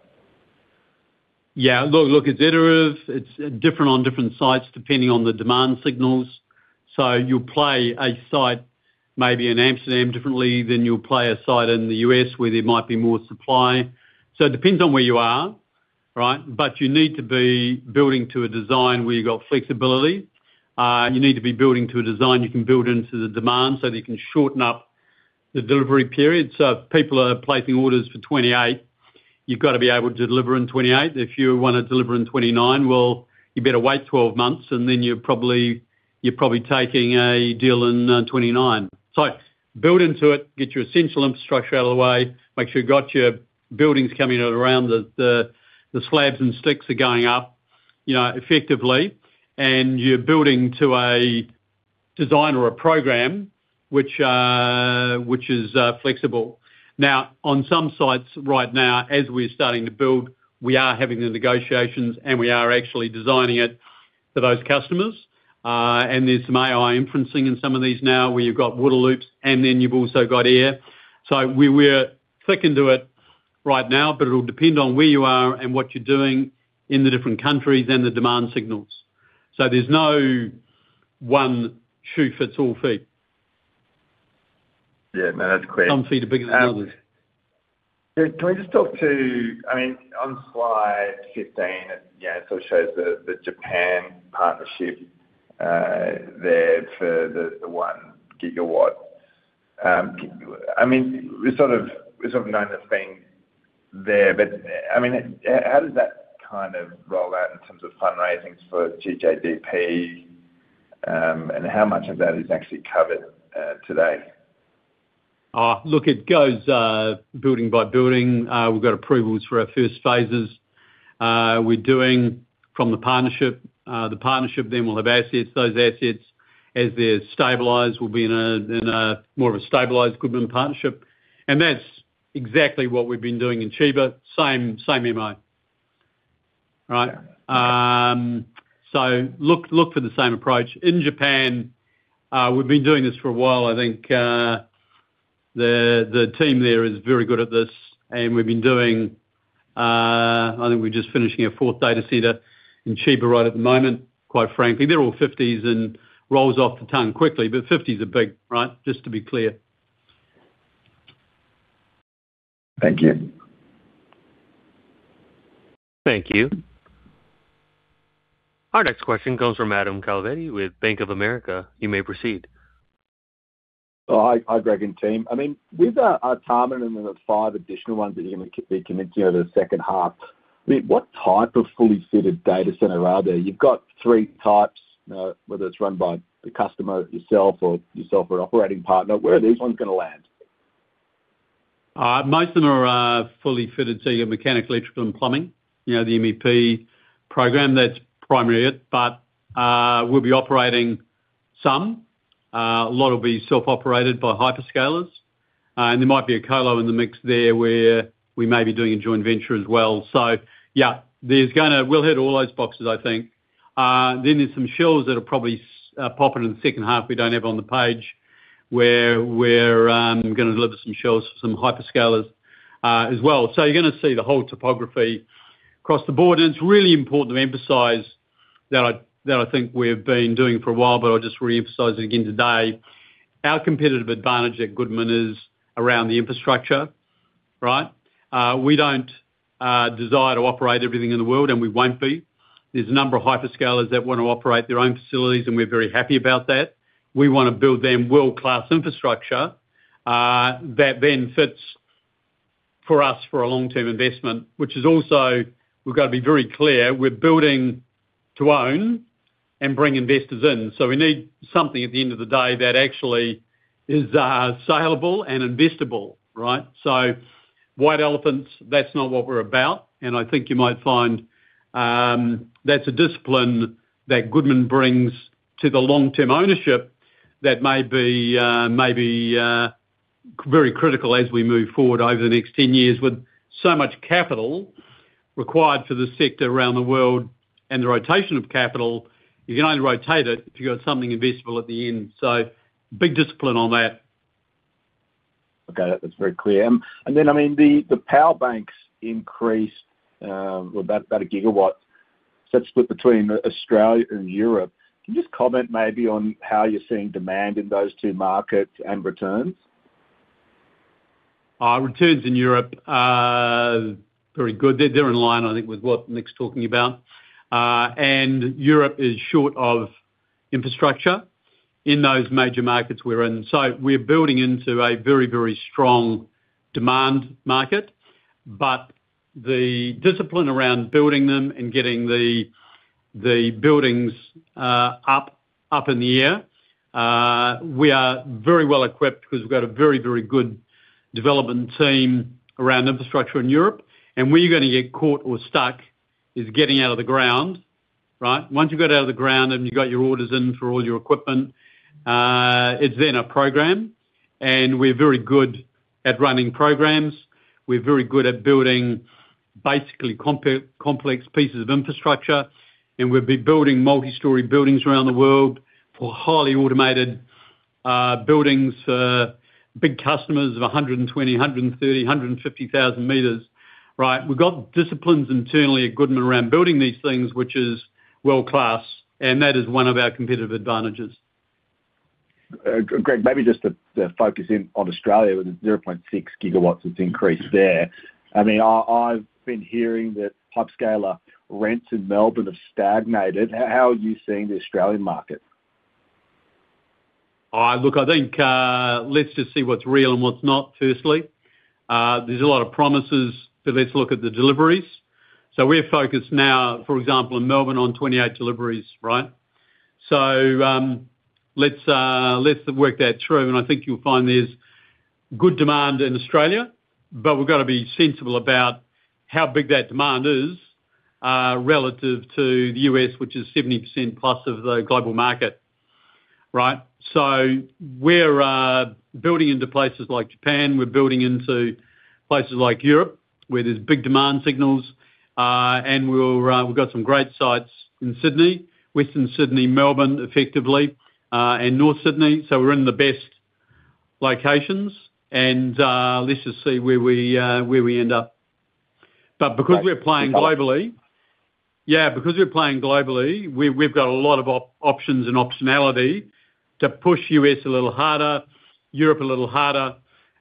Yeah, look, look, it's iterative. It's different on different sites, depending on the demand signals. So you'll play a site maybe in Amsterdam differently than you'll play a site in the U.S., where there might be more supply. So it depends on where you are, right? But you need to be building to a design where you've got flexibility. You need to be building to a design you can build into the demand so that you can shorten up the delivery period. So if people are placing orders for 2028, you've got to be able to deliver in 2028. If you want to deliver in 2029, well, you better wait 12 months, and then you're probably, you're probably taking a deal in 2029. So build into it, get your essential infrastructure out of the way, make sure you've got your buildings coming in around the slabs and sticks are going up, you know, effectively, and you're building to a design or a program which is flexible. Now, on some sites right now, as we're starting to build, we are having the negotiations, and we are actually designing it for those customers. And there's some AI inferencing in some of these now, where you've got water loops, and then you've also got air. So we're thick into it right now, but it'll depend on where you are and what you're doing in the different countries and the demand signals. So there's no one-size-fits-all. Yeah, no, that's clear. Some feet are bigger than others. Can we just talk to, I mean, on slide 15, it, you know, sort of shows the Japan partnership, there for the 1 GW. I mean, we've sort of known it's been there, but, I mean, how does that kind of roll out in terms of fundraisings for GJDP, and how much of that is actually covered today? Look, it goes building by building. We've got approvals for our first phases. We're doing from the partnership. The partnership then will have assets. Those assets, as they're stabilized, will be in a more of a stabilized Goodman partnership, and that's exactly what we've been doing in Chiba. Same, same MO. Right? Look for the same approach. In Japan, we've been doing this for a while. I think the team there is very good at this, and we've been doing, I think we're just finishing a fourth data center in Chiba right at the moment, quite frankly. They're all 50s and rolls off the tongue quickly, but 50s are big, right? Just to be clear. Thank you. Thank you. Our next question comes from Adam Calvetti with Bank of America. You may proceed. Hi. Hi, Greg and team. I mean, with Artarmon and the five additional ones that you're going to be committing to the second half, I mean, what type of fully fitted data center are there? You've got three types, whether it's run by the customer, yourself or yourself or operating partner. Where are these ones going to land? Most of them are fully fitted to your mechanical, electrical, and plumbing, you know, the MEP program, that's primarily it. But we'll be operating some, a lot will be self-operated by hyperscalers. And there might be a color in the mix there, where we may be doing a joint venture as well. So yeah, there's gonna, we'll hit all those boxes, I think. Then there's some shells that are probably popping in the second half, we don't have on the page, where we're gonna deliver some shells for some hyperscalers, as well. So you're gonna see the whole topography across the board. And it's really important to emphasize that I, that I think we've been doing it for a while, but I'll just reemphasize it again today. Our competitive advantage at Goodman is around the infrastructure, right? We don't desire to operate everything in the world, and we won't be. There's a number of hyperscalers that want to operate their own facilities, and we're very happy about that. We wanna build them world-class infrastructure that then fits for us for a long-term investment, which is also, we've got to be very clear, we're building to own and bring investors in. So we need something at the end of the day that actually is saleable and investable, right? So white elephants, that's not what we're about, and I think you might find that's a discipline that Goodman brings to the long-term ownership that may be very critical as we move forward over the next 10 years. With so much capital required for this sector around the world and the rotation of capital, you can only rotate it if you've got something investable at the end. So big discipline on that. Okay, that's very clear. And then, I mean, the power banks increased about 1 GW. So that's split between Australia and Europe. Can you just comment maybe on how you're seeing demand in those two markets and returns? Returns in Europe are very good. They're, they're in line, I think, with what Nick's talking about. And Europe is short of infrastructure in those major markets we're in. So we're building into a very, very strong demand market. But the discipline around building them and getting the, the buildings, up, up in the air, we are very well equipped because we've got a very, very good development team around infrastructure in Europe. And where you're gonna get caught or stuck is getting out of the ground, right? Once you get out of the ground and you've got your orders in for all your equipment, it's then a program, and we're very good at running programs. We're very good at building basically complex pieces of infrastructure, and we've been building multi-story buildings around the world for highly automated buildings for big customers of 120, 130, 150 thousand meters, right? We've got disciplines internally at Goodman around building these things, which is world-class, and that is one of our competitive advantages. Greg, maybe just to focus in on Australia, with the 0.6 GW increase there. I mean, I've been hearing that hyperscaler rents in Melbourne have stagnated. How are you seeing the Australian market? Look, I think, let's just see what's real and what's not, firstly. There's a lot of promises, but let's look at the deliveries. So we're focused now, for example, in Melbourne, on 28 deliveries, right? So, let's work that through, and I think you'll find there's good demand in Australia, but we've got to be sensible about how big that demand is, relative to the U.S., which is 70%+ of the global market, right? So we're building into places like Japan, we're building into places like Europe, where there's big demand signals, and we've got some great sites in Sydney, Western Sydney, Melbourne, effectively, and North Sydney, so we're in the best locations. Let's just see where we end up. Yeah, because we're playing globally, we've got a lot of options and optionality to push U.S. a little harder, Europe a little harder,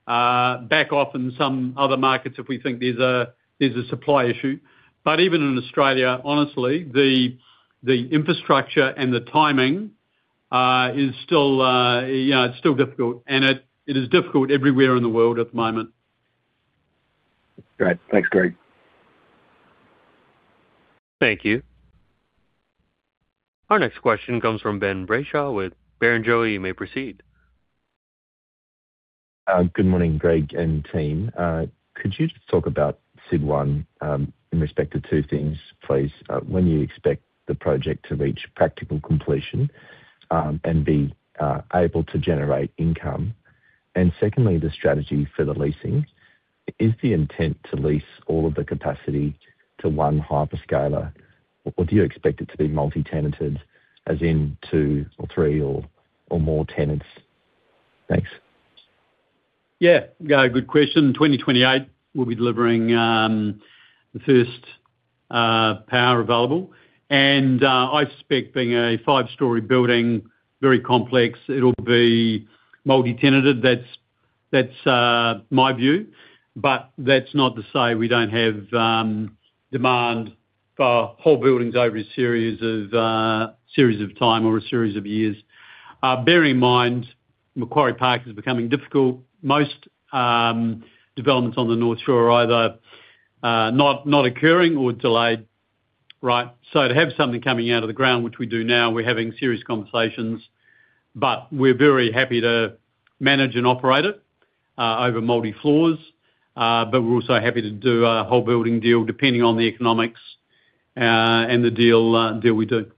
back off in some other markets if we think there's a supply issue. But even in Australia, honestly, the infrastructure and the timing is still, yeah, it's still difficult, and it is difficult everywhere in the world at the moment. Great. Thanks, Greg. Thank you. Our next question comes from Ben Brayshaw with Barrenjoey. You may proceed. Good morning, Greg and team. Could you just talk about SYD1 in respect to two things, please? When do you expect the project to reach practical completion and be able to generate income? And secondly, the strategy for the leasing. Is the intent to lease all of the capacity to one hyperscaler, or do you expect it to be multi-tenanted, as in two or three or more tenants? Thanks. Yeah, good question. 2028, we'll be delivering the first power available. And I suspect being a five-story building, very complex, it'll be multi-tenanted. That's my view, but that's not to say we don't have demand for whole buildings over a series of time or a series of years. Bear in mind, Macquarie Park is becoming difficult. Most developments on the North Shore are either not occurring or delayed. Right. So to have something coming out of the ground, which we do now, we're having serious conversations, but we're very happy to manage and operate it over multi floors. But we're also happy to do a whole building deal, depending on the economics and the deal we do.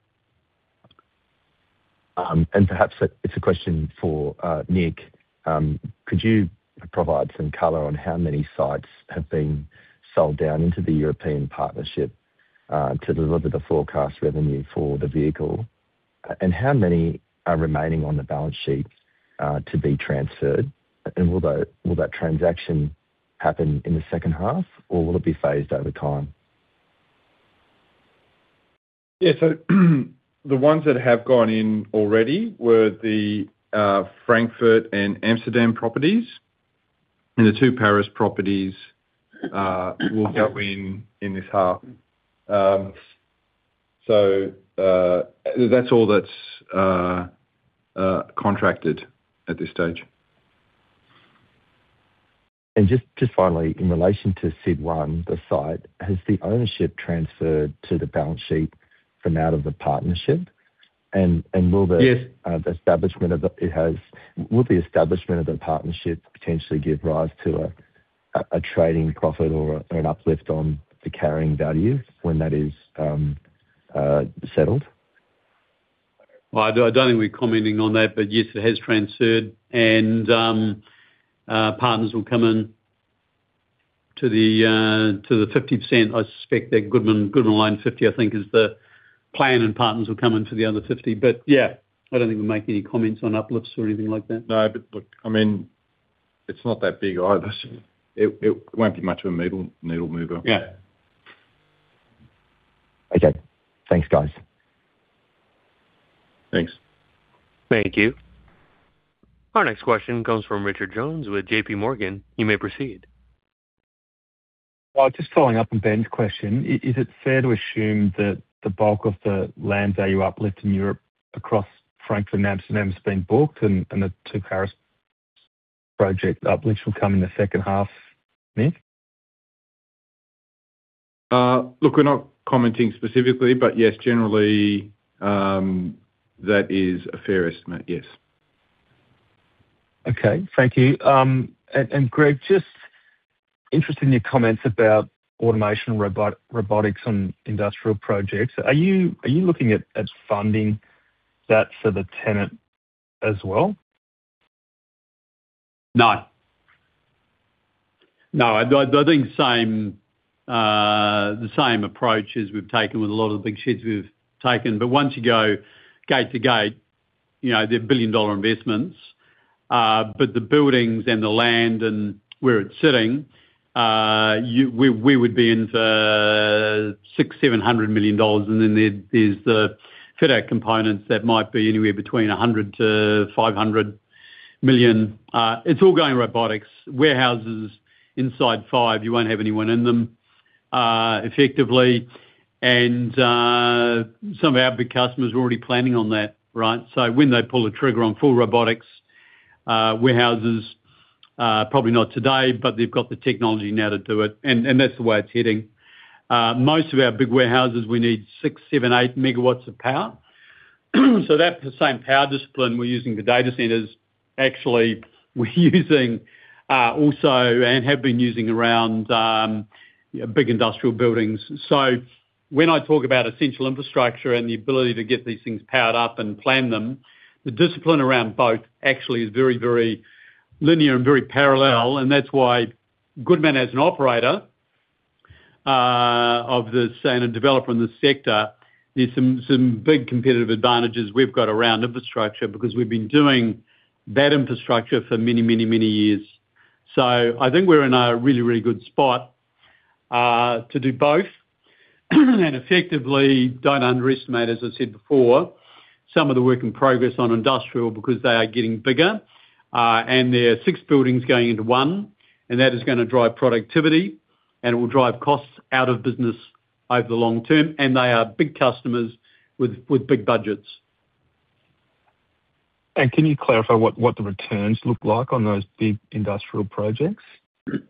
And perhaps it's a question for Nick. Could you provide some color on how many sites have been sold down into the European partnership to deliver the forecast revenue for the vehicle? And how many are remaining on the balance sheet to be transferred? And will that transaction happen in the second half, or will it be phased over time? Yeah, so the ones that have gone in already were the Frankfurt and Amsterdam properties, and the two Paris properties will go in in this half. So, that's all that's contracted at this stage. And just, just finally, in relation to SYD1, the site, has the ownership transferred to the balance sheet from out of the partnership? And, and will the- Yes. Will the establishment of the partnership potentially give rise to a trading profit or an uplift on the carrying value when that is settled? Well, I don't think we're commenting on that, but yes, it has transferred. And partners will come in to the 50%. I suspect that Goodman line 50, I think, is the plan, and partners will come in for the other 50. But yeah, I don't think we'll make any comments on uplifts or anything like that. No, but look, I mean, it's not that big either. It, it won't be much of a needle, needle mover. Yeah. Okay. Thanks, guys. Thanks. Thank you. Our next question comes from Richard Jones with J.P. Morgan. You may proceed. Well, just following up on Ben's question. Is it fair to assume that the bulk of the land value uplift in Europe across Frankfurt Amsterdam has been booked, and the two Paris project uplifts will come in the second half, Nick? Look, we're not commenting specifically, but yes, generally, that is a fair estimate. Yes. Okay. Thank you. And Greg, just interested in your comments about automation, robotics on industrial projects. Are you looking at funding that for the tenant as well? No. No, I, I think same, the same approach as we've taken with a lot of the big sheds we've taken. But once you go gate to gate, you know, they're billion-dollar investments, but the buildings and the land and where it's sitting, you-- we, we would be into $600 million-$700 million, and then there's, there's the fit out components that might be anywhere between $100 million-$500 million. It's all going robotics. Warehouses inside five, you won't have anyone in them, effectively, and, some of our big customers are already planning on that, right? So when they pull the trigger on full robotics, warehouses, probably not today, but they've got the technology now to do it, and, and that's the way it's heading. Most of our big warehouses, we need 6 MW-8 MW of power. So that's the same power discipline we're using the data centers. Actually, we're using also, and have been using around big industrial buildings. So when I talk about essential infrastructure and the ability to get these things powered up and plan them, the discipline around both actually is very, very linear and very parallel, and that's why Goodman, as an operator and a developer in the sector, there's some big competitive advantages we've got around infrastructure, because we've been doing that infrastructure for many, many, many years. So I think we're in a really, really good spot to do both and effectively don't underestimate, as I said before, some of the work in progress on industrial, because they are getting bigger, and there are six buildings going into one, and that is gonna drive productivity, and it will drive costs out of business over the long term, and they are big customers with big budgets. Can you clarify what, what the returns look like on those big industrial projects?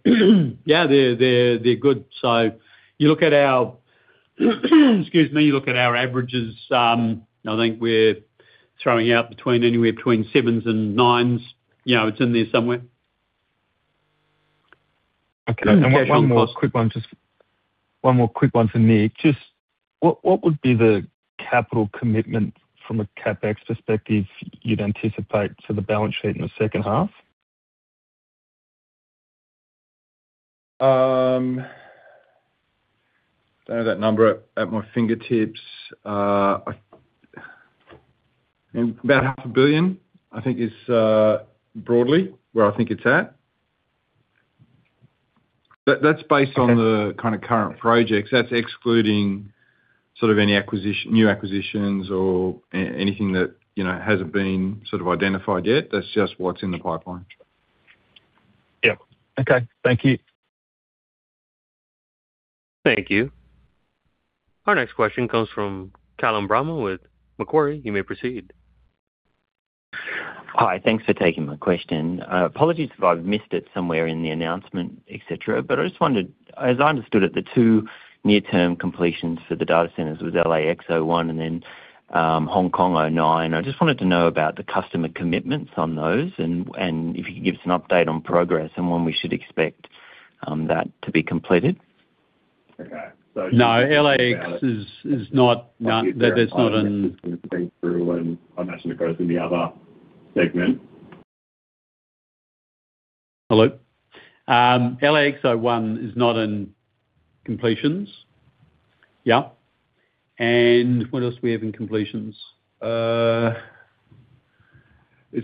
Yeah, they're good. So you look at our, excuse me, you look at our averages. I think we're throwing out between anywhere between sevens and nines. You know, it's in there somewhere. Okay. One more quick one, just one more quick one for Nick. Just what, what would be the capital commitment from a CapEx perspective you'd anticipate to the balance sheet in the second half? Don't have that number at my fingertips. About 500 million, I think is broadly where I think it's at. That's based on the- Okay. Kind of current projects. That's excluding sort of any acquisition, new acquisitions or anything that, you know, hasn't been sort of identified yet. That's just what's in the pipeline. Yeah. Okay. Thank you. Thank you. Our next question comes from Callum Bramah with Macquarie. You may proceed. Hi, thanks for taking my question. Apologies if I've missed it somewhere in the announcement, et cetera, but I just wondered, as I understood it, the two near-term completions for the data centers was LAX01 and then, HKG09. I just wanted to know about the customer commitments on those, and, and if you could give us an update on progress and when we should expect, that to be completed? Okay. So no, LAX is not. That's not in- Through, and I imagine across in the other segment. Hello. LAX01 is not in completions. Yeah. And what else do we have in completions? It's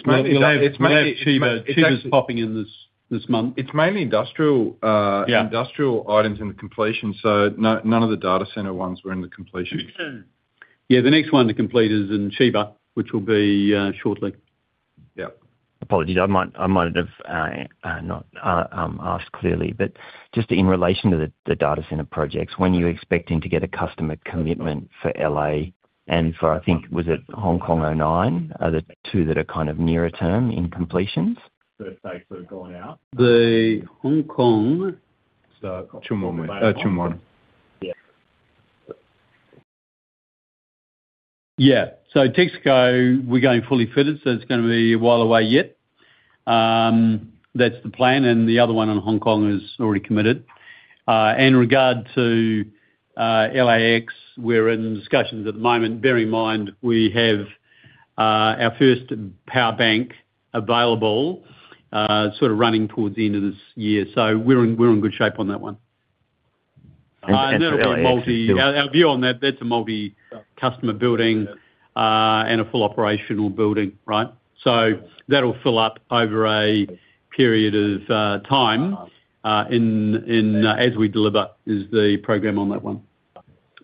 mainly, it's mainly Chiba. Chiba is popping in this month. It's mainly industrial. Yeah... industrial items in the completion, so no- none of the data center ones were in the completion. Yeah, the next one to complete is in Chiba, which will be shortly. Yeah. Apologies. I might not have asked clearly, but just in relation to the data center projects, when are you expecting to get a customer commitment for LA and for, I think, was it HKG09? Are the two that are kind of nearer term in completions? It's going out. The Hong Kong- So Tsuen Wan, Tsuen Wan. Yeah. Yeah. Texaco, we're going fully fitted, so it's gonna be a while away yet. That's the plan, and the other one on Hong Kong is already committed. In regard to LAX, we're in discussions at the moment. Bear in mind, we have our first power bank available, sort of running towards the end of this year. We're in good shape on that one. And, and- Our view on that, that's a multi-customer building and a full operational building, right? So that'll fill up over a period of time, in as we deliver, is the program on that one.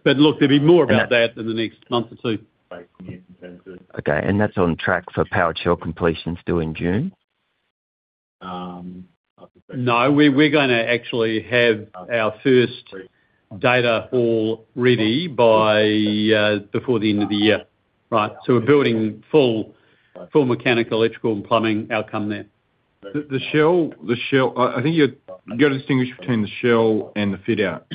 But look, there'll be more about that in the next month or two. Okay, and that's on track for powered shell completions due in June? No, we, we're gonna actually have our first data all ready by, before the end of the year. Right. We're building full, full mechanical, electrical, and plumbing outcome there. The shell, the shell, I think you got to distinguish between the shell and the fit out.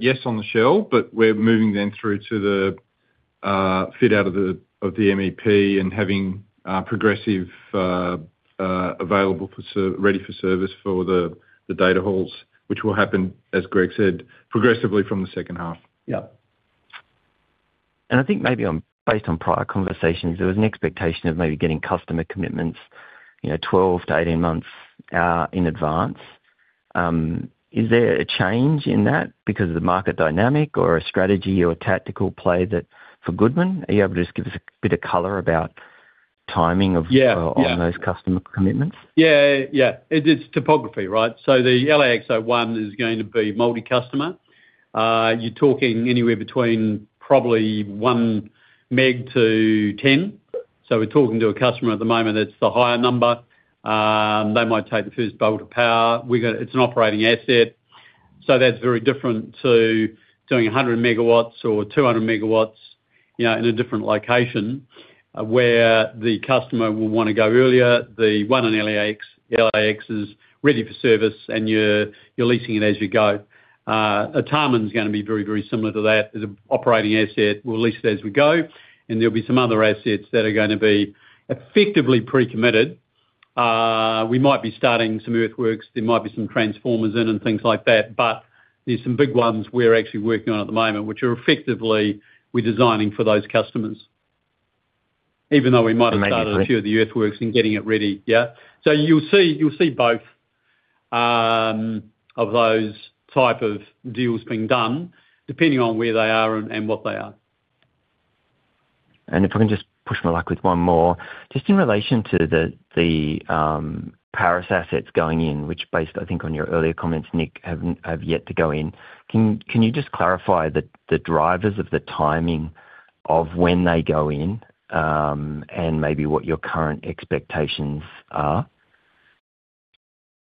Yes, on the shell, but we're moving then through to the fit out of the MEP and having progressive, available for service, ready for service for the data halls, which will happen, as Greg said, progressively from the second half. Yeah. I think maybe on, based on prior conversations, there was an expectation of maybe getting customer commitments, you know, 12-18 months in advance. Is there a change in that because of the market dynamic, or a strategy, or a tactical play that for Goodman? Are you able to just give us a bit of color about timing of- Yeah on those customer commitments? Yeah. Yeah. It, it's topography, right? So the LAX01 is going to be multi-customer. You're talking anywhere between probably 1 MW to 10 MW. So we're talking to a customer at the moment, that's the higher number. They might take the first bolt of power. We're gonna. It's an operating asset, so that's very different to doing 100 MW or 200 MW, you know, in a different location, where the customer will wanna go earlier. The one on LAX, LAX is ready for service, and you're, you're leasing it as you go. Artarmon is gonna be very, very similar to that. As an operating asset, we'll lease it as we go, and there'll be some other assets that are gonna be effectively pre-committed. We might be starting some earthworks, there might be some transformers in and things like that, but there's some big ones we're actually working on at the moment, which are effectively, we're designing for those customers. Even though we might have started- Amazing... a few of the earthworks in getting it ready. Yeah. So you'll see, you'll see both, of those type of deals being done depending on where they are and, and what they are. And if I can just push my luck with one more. Just in relation to the Paris assets going in, which, based I think on your earlier comments, Nick, have yet to go in. Can you just clarify the drivers of the timing of when they go in, and maybe what your current expectations are?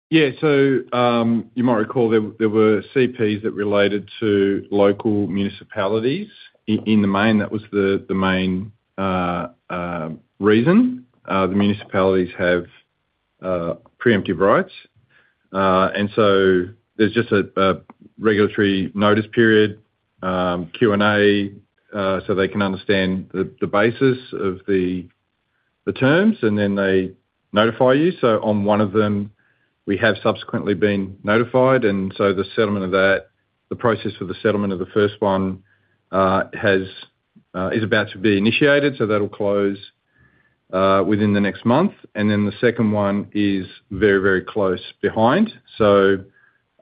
Yeah. So, you might recall there were CPs that related to local municipalities. In the main, that was the main reason. The municipalities have preemptive rights, and so there's just a regulatory notice period, Q&A, so they can understand the basis of the terms, and then they notify you. So on one of them, we have subsequently been notified, and so the settlement of that, the process of the settlement of the first one, is about to be initiated, so that'll close within the next month. And then the second one is very, very close behind. So,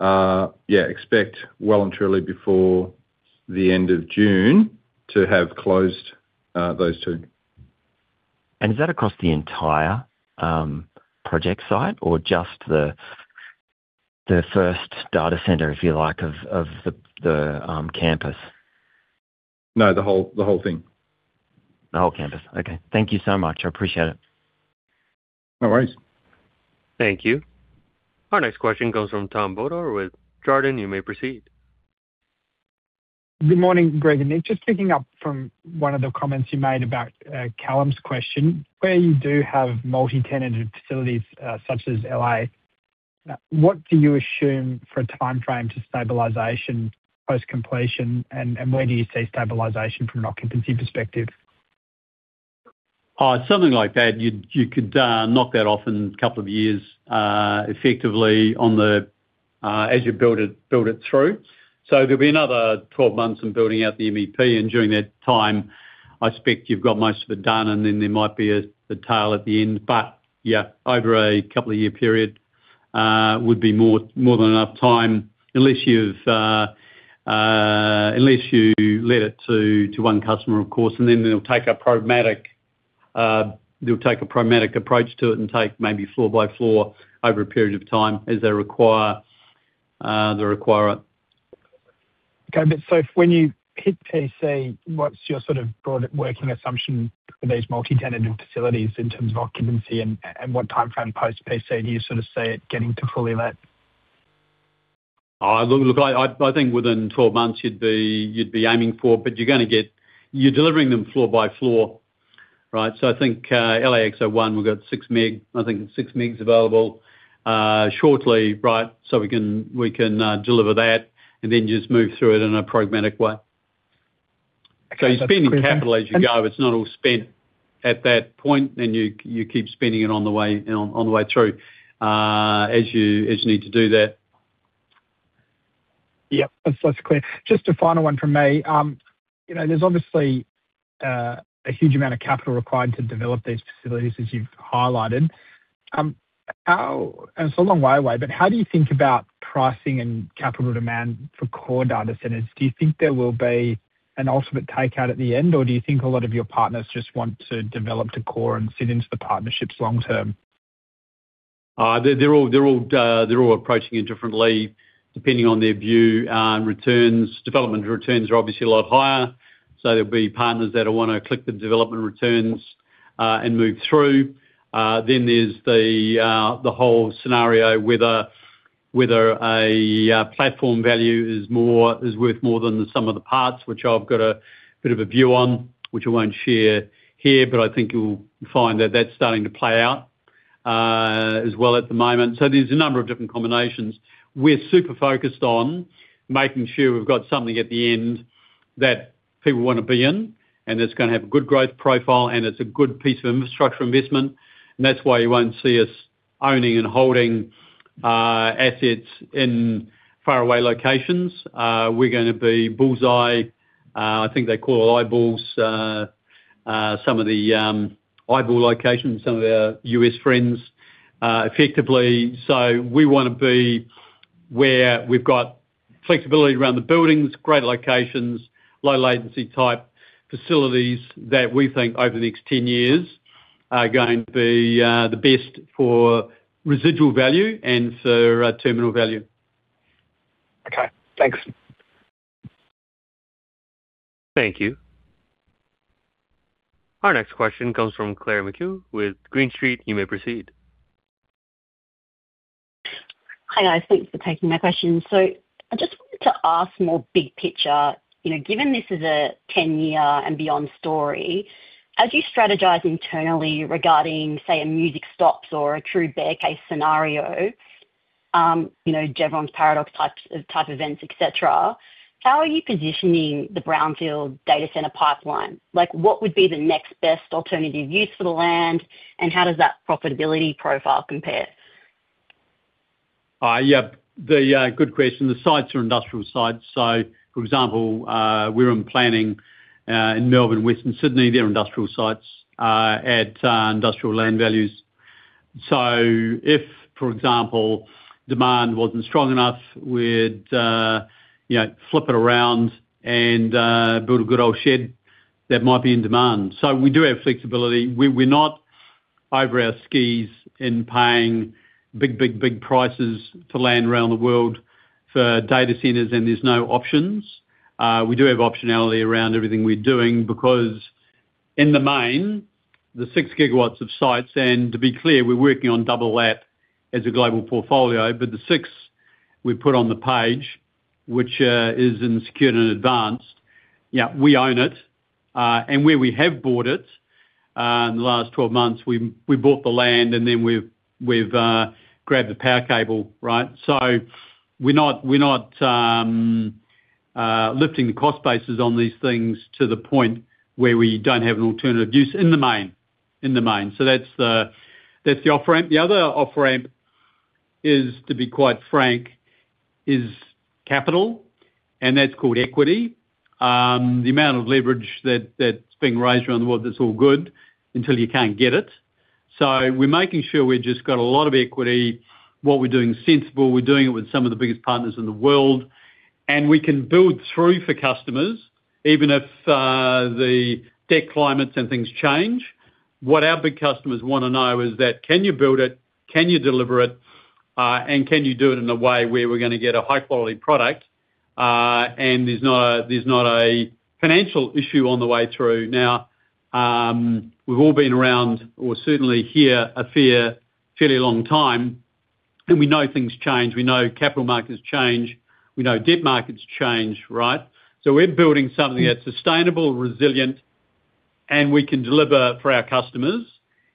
yeah, expect well and truly before the end of June to have closed those two. Is that across the entire project site or just the first data center, if you like, of the campus? No, the whole, the whole thing. The whole campus. Okay. Thank you so much. I appreciate it. No worries. Thank you. Our next question comes from Tom Bodor with Jarden. You may proceed. Good morning, Greg and Nick. Just picking up from one of the comments you made about Callum's question. Where you do have multi-tenanted facilities, such as LA, what do you assume for a timeframe to stabilization, post-completion, and where do you see stabilization from an occupancy perspective? Something like that, you could knock that off in a couple of years, effectively on the as you build it, build it through. So there'll be another 12 months in building out the MEP, and during that time, I suspect you've got most of it done, and then there might be a tail at the end. But yeah, over a couple of year period would be more than enough time, unless you let it to one customer, of course, and then they'll take a programmatic approach to it and take maybe floor by floor over a period of time as they require the requirement. Okay, but so when you hit PC, what's your sort of broad working assumption for these multi-tenanted facilities in terms of occupancy and what timeframe post PC do you sort of see it getting to fully let? Look, look, I think within 12 months you'd be aiming for, but you're gonna get. You're delivering them floor by floor, right? So I think LAX01, we've got 6 MW, I think 6 MW available shortly, right? So we can deliver that and then just move through it in a programmatic way. Okay. So you're spending capital as you go. It's not all spent at that point, then you keep spending it on the way through, as you need to do that. Yep, that's, that's clear. Just a final one from me. You know, there's obviously a huge amount of capital required to develop these facilities, as you've highlighted. And it's a long way away, but how do you think about pricing and capital demand for core data centers? Do you think there will be an ultimate takeout at the end, or do you think a lot of your partners just want to develop to core and sit into the partnerships long term? They're all approaching it differently, depending on their view on returns. Development returns are obviously a lot higher, so there'll be partners that will wanna clip the development returns, and move through. Then there's the whole scenario whether a platform value is worth more than the sum of the parts, which I've got a bit of a view on, which I won't share here, but I think you'll find that that's starting to play out, as well at the moment. So there's a number of different combinations. We're super focused on making sure we've got something at the end that people wanna be in, and it's gonna have a good growth profile, and it's a good piece of infrastructure investment. That's why you won't see us owning and holding assets in faraway locations. We're gonna be bull's-eye. I think they call eyeballs some of the eyeball locations, some of our U.S. friends, effectively. So we wanna be where we've got flexibility around the buildings, great locations, low latency type facilities that we think over the next 10 years are going to be the best for residual value and for terminal value. Okay, thanks. Thank you. Our next question comes from Claire McKew with Green Street. You may proceed. Hi, guys. Thanks for taking my question. So I just wanted to ask more big picture. You know, given this is a 10-year and beyond story, as you strategize internally regarding, say, a music stops or a true bear case scenario, you know, Jevons Paradox type events, et cetera, how are you positioning the brownfield data center pipeline? Like, what would be the next best alternative use for the land, and how does that profitability profile compare? Yeah, good question. The sites are industrial sites. So for example, we're in planning in Melbourne, Western Sydney, they're industrial sites at industrial land values. So if, for example, demand wasn't strong enough, we'd, you know, flip it around and build a good old shed that might be in demand. So we do have flexibility. We're not over our skis in paying big, big, big prices for land around the world for data centers, and there's no options. We do have optionality around everything we're doing because in the main, the 6 gigawatts of sites, and to be clear, we're working on double that as a global portfolio, but the 6 we put on the page, which is in secured and advanced, yeah, we own it. And where we have bought it in the last 12 months, we bought the land, and then we've grabbed the power cable, right? So we're not lifting the cost basis on these things to the point where we don't have an alternative use in the main. So that's the off-ramp. The other off-ramp is, to be quite frank, capital, and that's called equity. The amount of leverage that's being raised around the world, that's all good, until you can't get it. So we're making sure we've just got a lot of equity, what we're doing is sensible, we're doing it with some of the biggest partners in the world, and we can build through for customers, even if the debt climates and things change. What our big customers wanna know is that, can you build it, can you deliver it, and can you do it in a way where we're gonna get a high quality product, and there's not a financial issue on the way through? Now, we've all been around, or certainly here a fairly long time. And we know things change. We know capital markets change, we know debt markets change, right? So we're building something that's sustainable, resilient, and we can deliver for our customers,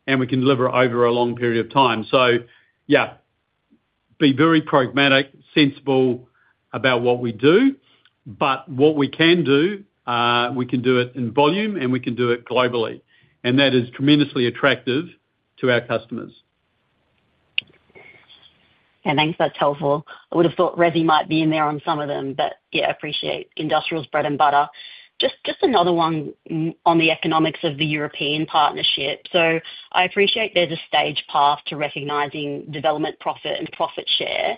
and we can deliver over a long period of time. So, yeah, be very pragmatic, sensible about what we do, but what we can do, we can do it in volume, and we can do it globally, and that is tremendously attractive to our customers. Yeah, thanks. That's helpful. I would have thought resi might be in there on some of them, but, yeah, appreciate industrial's bread and butter. Just another one on the economics of the European partnership. So I appreciate there's a staged path to recognizing development, profit and profit share,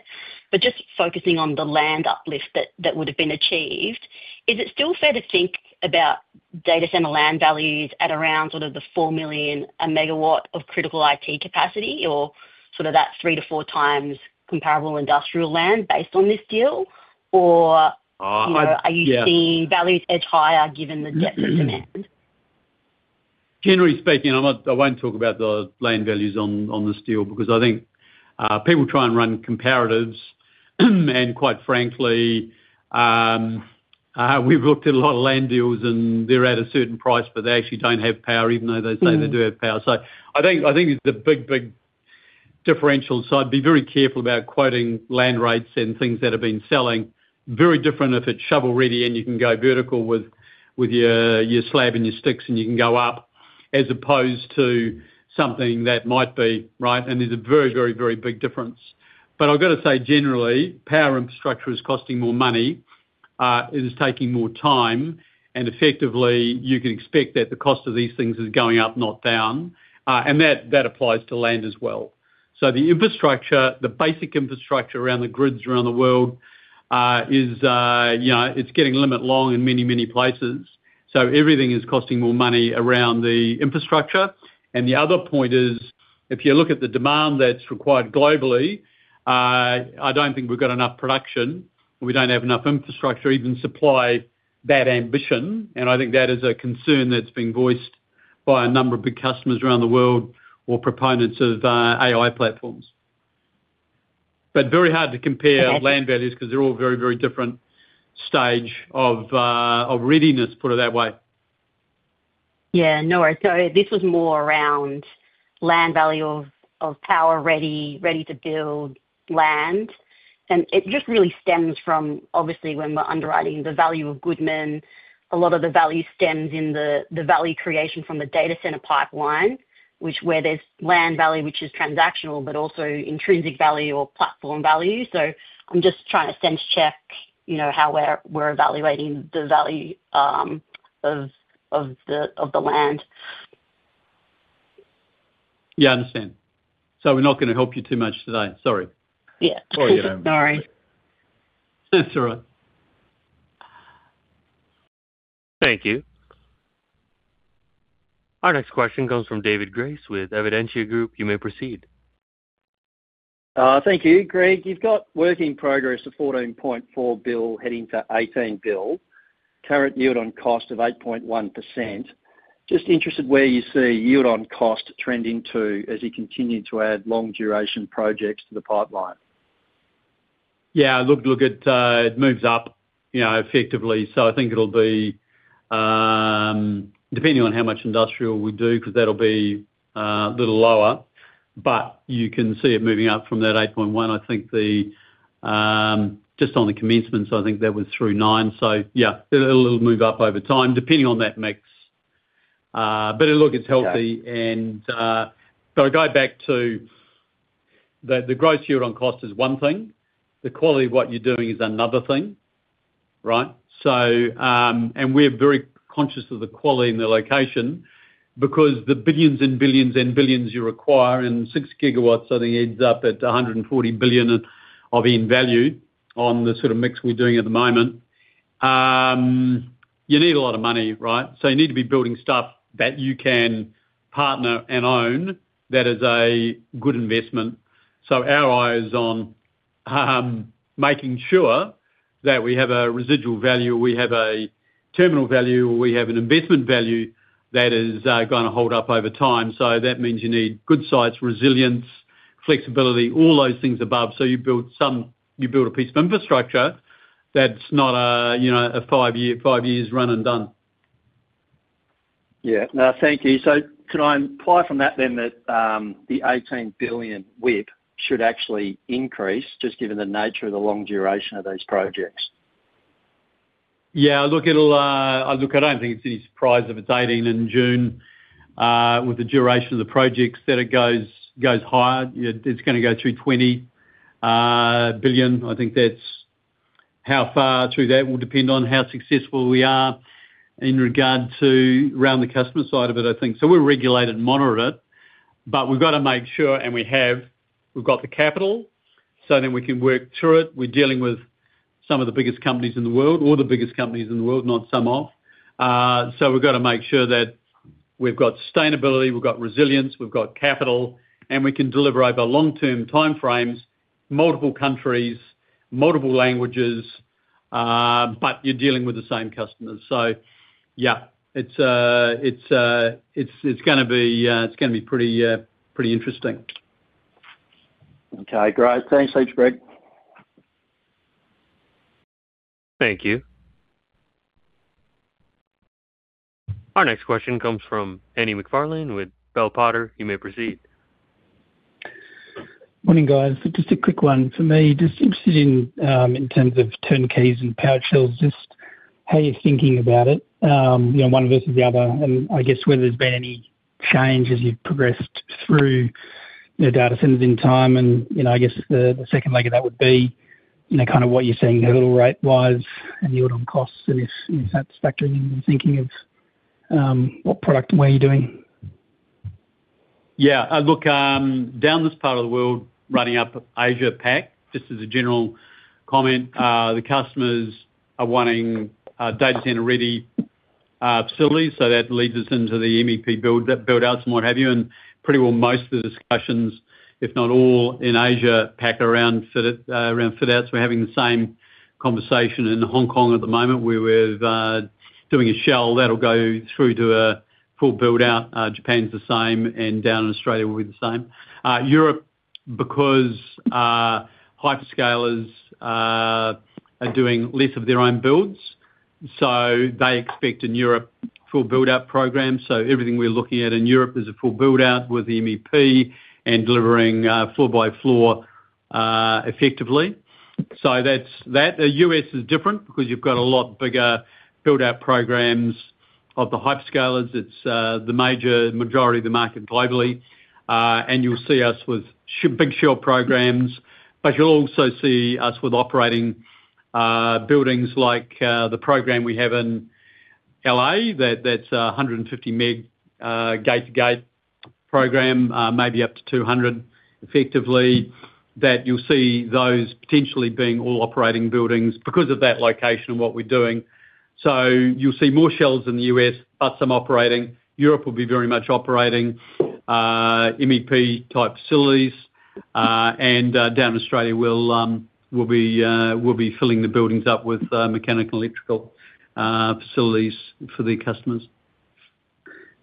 but just focusing on the land uplift that, that would have been achieved, is it still fair to think about data center land values at around sort of 4 million a megawatt of critical IT capacity, or sort of that 3x-4x comparable industrial land based on this deal? Or- Uh, yeah. Are you seeing values edge higher given the depth of demand? Generally speaking, I'm not—I won't talk about the land values on, on this deal because I think, people try and run comparatives, and quite frankly, we've looked at a lot of land deals, and they're at a certain price, but they actually don't have power, even though they say they do have power. Mm. So I think, I think it's a big, big differential. So I'd be very careful about quoting land rates and things that have been selling. Very different if it's shovel-ready and you can go vertical with your slab and your sticks, and you can go up, as opposed to something that might be, right? And there's a very, very, very big difference. But I've got to say, generally, power infrastructure is costing more money, it is taking more time, and effectively, you can expect that the cost of these things is going up, not down. And that applies to land as well. So the infrastructure, the basic infrastructure around the grids around the world, you know, it's getting long in the tooth in many, many places, so everything is costing more money around the infrastructure. The other point is, if you look at the demand that's required globally, I don't think we've got enough production. We don't have enough infrastructure to even supply that ambition, and I think that is a concern that's been voiced by a number of big customers around the world or proponents of AI platforms. Very hard to compare land values because they're all very, very different stage of readiness, put it that way. Yeah, no worries. So this was more around land value of power ready, ready to build land. And it just really stems from obviously when we're underwriting the value of Goodman, a lot of the value stems in the, the value creation from the data center pipeline, which where there's land value, which is transactional, but also intrinsic value or platform value. So I'm just trying to sense check, you know, how we're, we're evaluating the value, of, of the, of the land. Yeah, I understand. So we're not going to help you too much today. Sorry. Yeah. Sorry about that. Sorry. That's all right. Thank you. Our next question comes from David Grace with Evidentia Group. You may proceed. Thank you. Greg, you've got work in progress of 14.4 billion, heading to 18 billion, current yield on cost of 8.1%. Just interested where you see yield on cost trending to, as you continue to add long duration projects to the pipeline. Yeah, look, look at it moves up, you know, effectively. So I think it'll be, depending on how much industrial we do, because that'll be a little lower, but you can see it moving up from that 8.1. I think the just on the commencements, I think that was through 9. So yeah, it'll, it'll move up over time, depending on that mix. But look, it's healthy. Yeah. I go back to the growth here on cost is one thing. The quality of what you're doing is another thing, right? We're very conscious of the quality and the location because the billions and billions and billions you require, and 6 GW, I think, ends up at $140 billion of in value on the sort of mix we're doing at the moment. You need a lot of money, right? You need to be building stuff that you can partner and own. That is a good investment. Our eye is on making sure that we have a residual value, we have a terminal value, or we have an investment value that is gonna hold up over time. That means you need good sites, resilience, flexibility, all those things above. You build some... You build a piece of infrastructure that's not a, you know, a five-year, five years run and done. Yeah. No, thank you. So can I imply from that then that the 18 billion WIP should actually increase, just given the nature of the long duration of those projects? Yeah, look, it'll look, I don't think it's any surprise if it's 18 in June, with the duration of the projects, that it goes higher. It's gonna go through 20 billion. I think that's how far through that will depend on how successful we are in regard to around the customer side of it, I think. So we're regulated and monitored, but we've got to make sure, and we have, we've got the capital, so then we can work through it. We're dealing with some of the biggest companies in the world, or the biggest companies in the world, not some of. So we've got to make sure that we've got sustainability, we've got resilience, we've got capital, and we can deliver over long-term time frames, multiple countries, multiple languages. But you're dealing with the same customers. So yeah, it's gonna be pretty interesting. Okay, great. Thanks heaps, Greg. Thank you. Our next question comes from Andy MacFarlane with Bell Potter. You may proceed. Morning, guys. Just a quick one for me. Just interested in, in terms of turnkeys and power shells, just how you're thinking about it, you know, one versus the other, and I guess whether there's been any change as you've progressed through the data centers in time. And, you know, I guess the second leg of that would be, you know, kind of what you're seeing hurdle rate wise and yield on costs and if that's factored in your thinking of, what product and where you're doing? Yeah. Look, down this part of the world, running up Asia Pac, just as a general comment, the customers are wanting data center-ready facilities, so that leads us into the MEP build, that build out and what have you. And pretty well most of the discussions, if not all, in Asia Pac around fit, around fit outs. We're having the same conversation in Hong Kong at the moment, where we've doing a shell that'll go through to a full build-out. Japan's the same, and down in Australia will be the same. Europe, because hyperscalers are doing less of their own builds, so they expect in Europe, full build-out programs. So everything we're looking at in Europe is a full build-out with MEP and delivering floor by floor, effectively. So that's that. The U.S. is different because you've got a lot bigger build-out programs of the hyperscalers. It's the majority of the market globally. And you'll see us with big shell programs, but you'll also see us with operating buildings like the program we have in L.A., that's a 150 MW gate-to-gate program, maybe up to 200 MW effectively, that you'll see those potentially being all operating buildings because of that location and what we're doing. So you'll see more shells in the U.S., but some operating. Europe will be very much operating MEP-type facilities, and down in Australia we'll be filling the buildings up with mechanical and electrical facilities for the customers.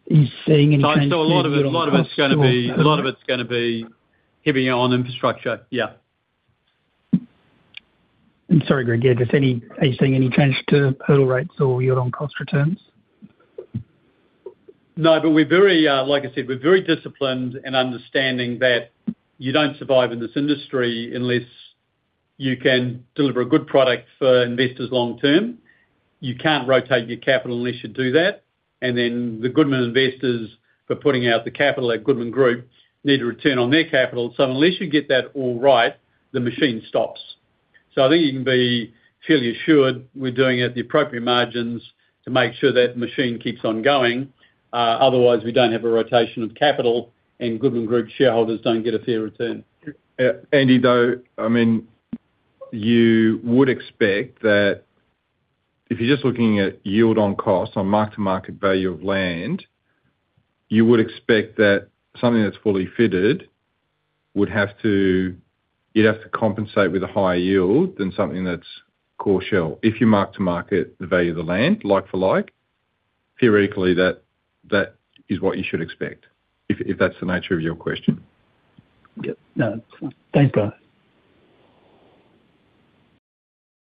Are you seeing any change- So a lot of it's gonna be heavy on infrastructure. Yeah. Sorry, Greg. Yeah, are you seeing any change to hurdle rates or yield on cost returns? No, but we're very, like I said, we're very disciplined in understanding that you don't survive in this industry unless you can deliver a good product for investors long-term. You can't rotate your capital unless you do that. And then the Goodman investors, for putting out the capital at Goodman Group, need a return on their capital. So unless you get that all right, the machine stops. So I think you can be fairly assured we're doing it at the appropriate margins to make sure that machine keeps on going. Otherwise, we don't have a rotation of capital, and Goodman Group shareholders don't get a fair return. Andy, though, I mean, you would expect that if you're just looking at yield on costs, on mark to market value of land, you would expect that something that's fully fitted would have to... You'd have to compensate with a higher yield than something that's core shell. If you mark to market the value of the land, like for like, theoretically, that, that is what you should expect, if, if that's the nature of your question. Yep. No, thanks, guys.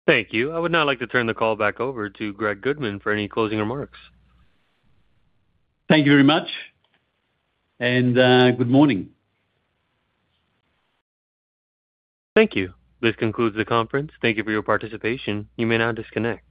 Thank you. I would now like to turn the call back over to Greg Goodman for any closing remarks. Thank you very much, and good morning. Thank you. This concludes the conference. Thank you for your participation. You may now disconnect.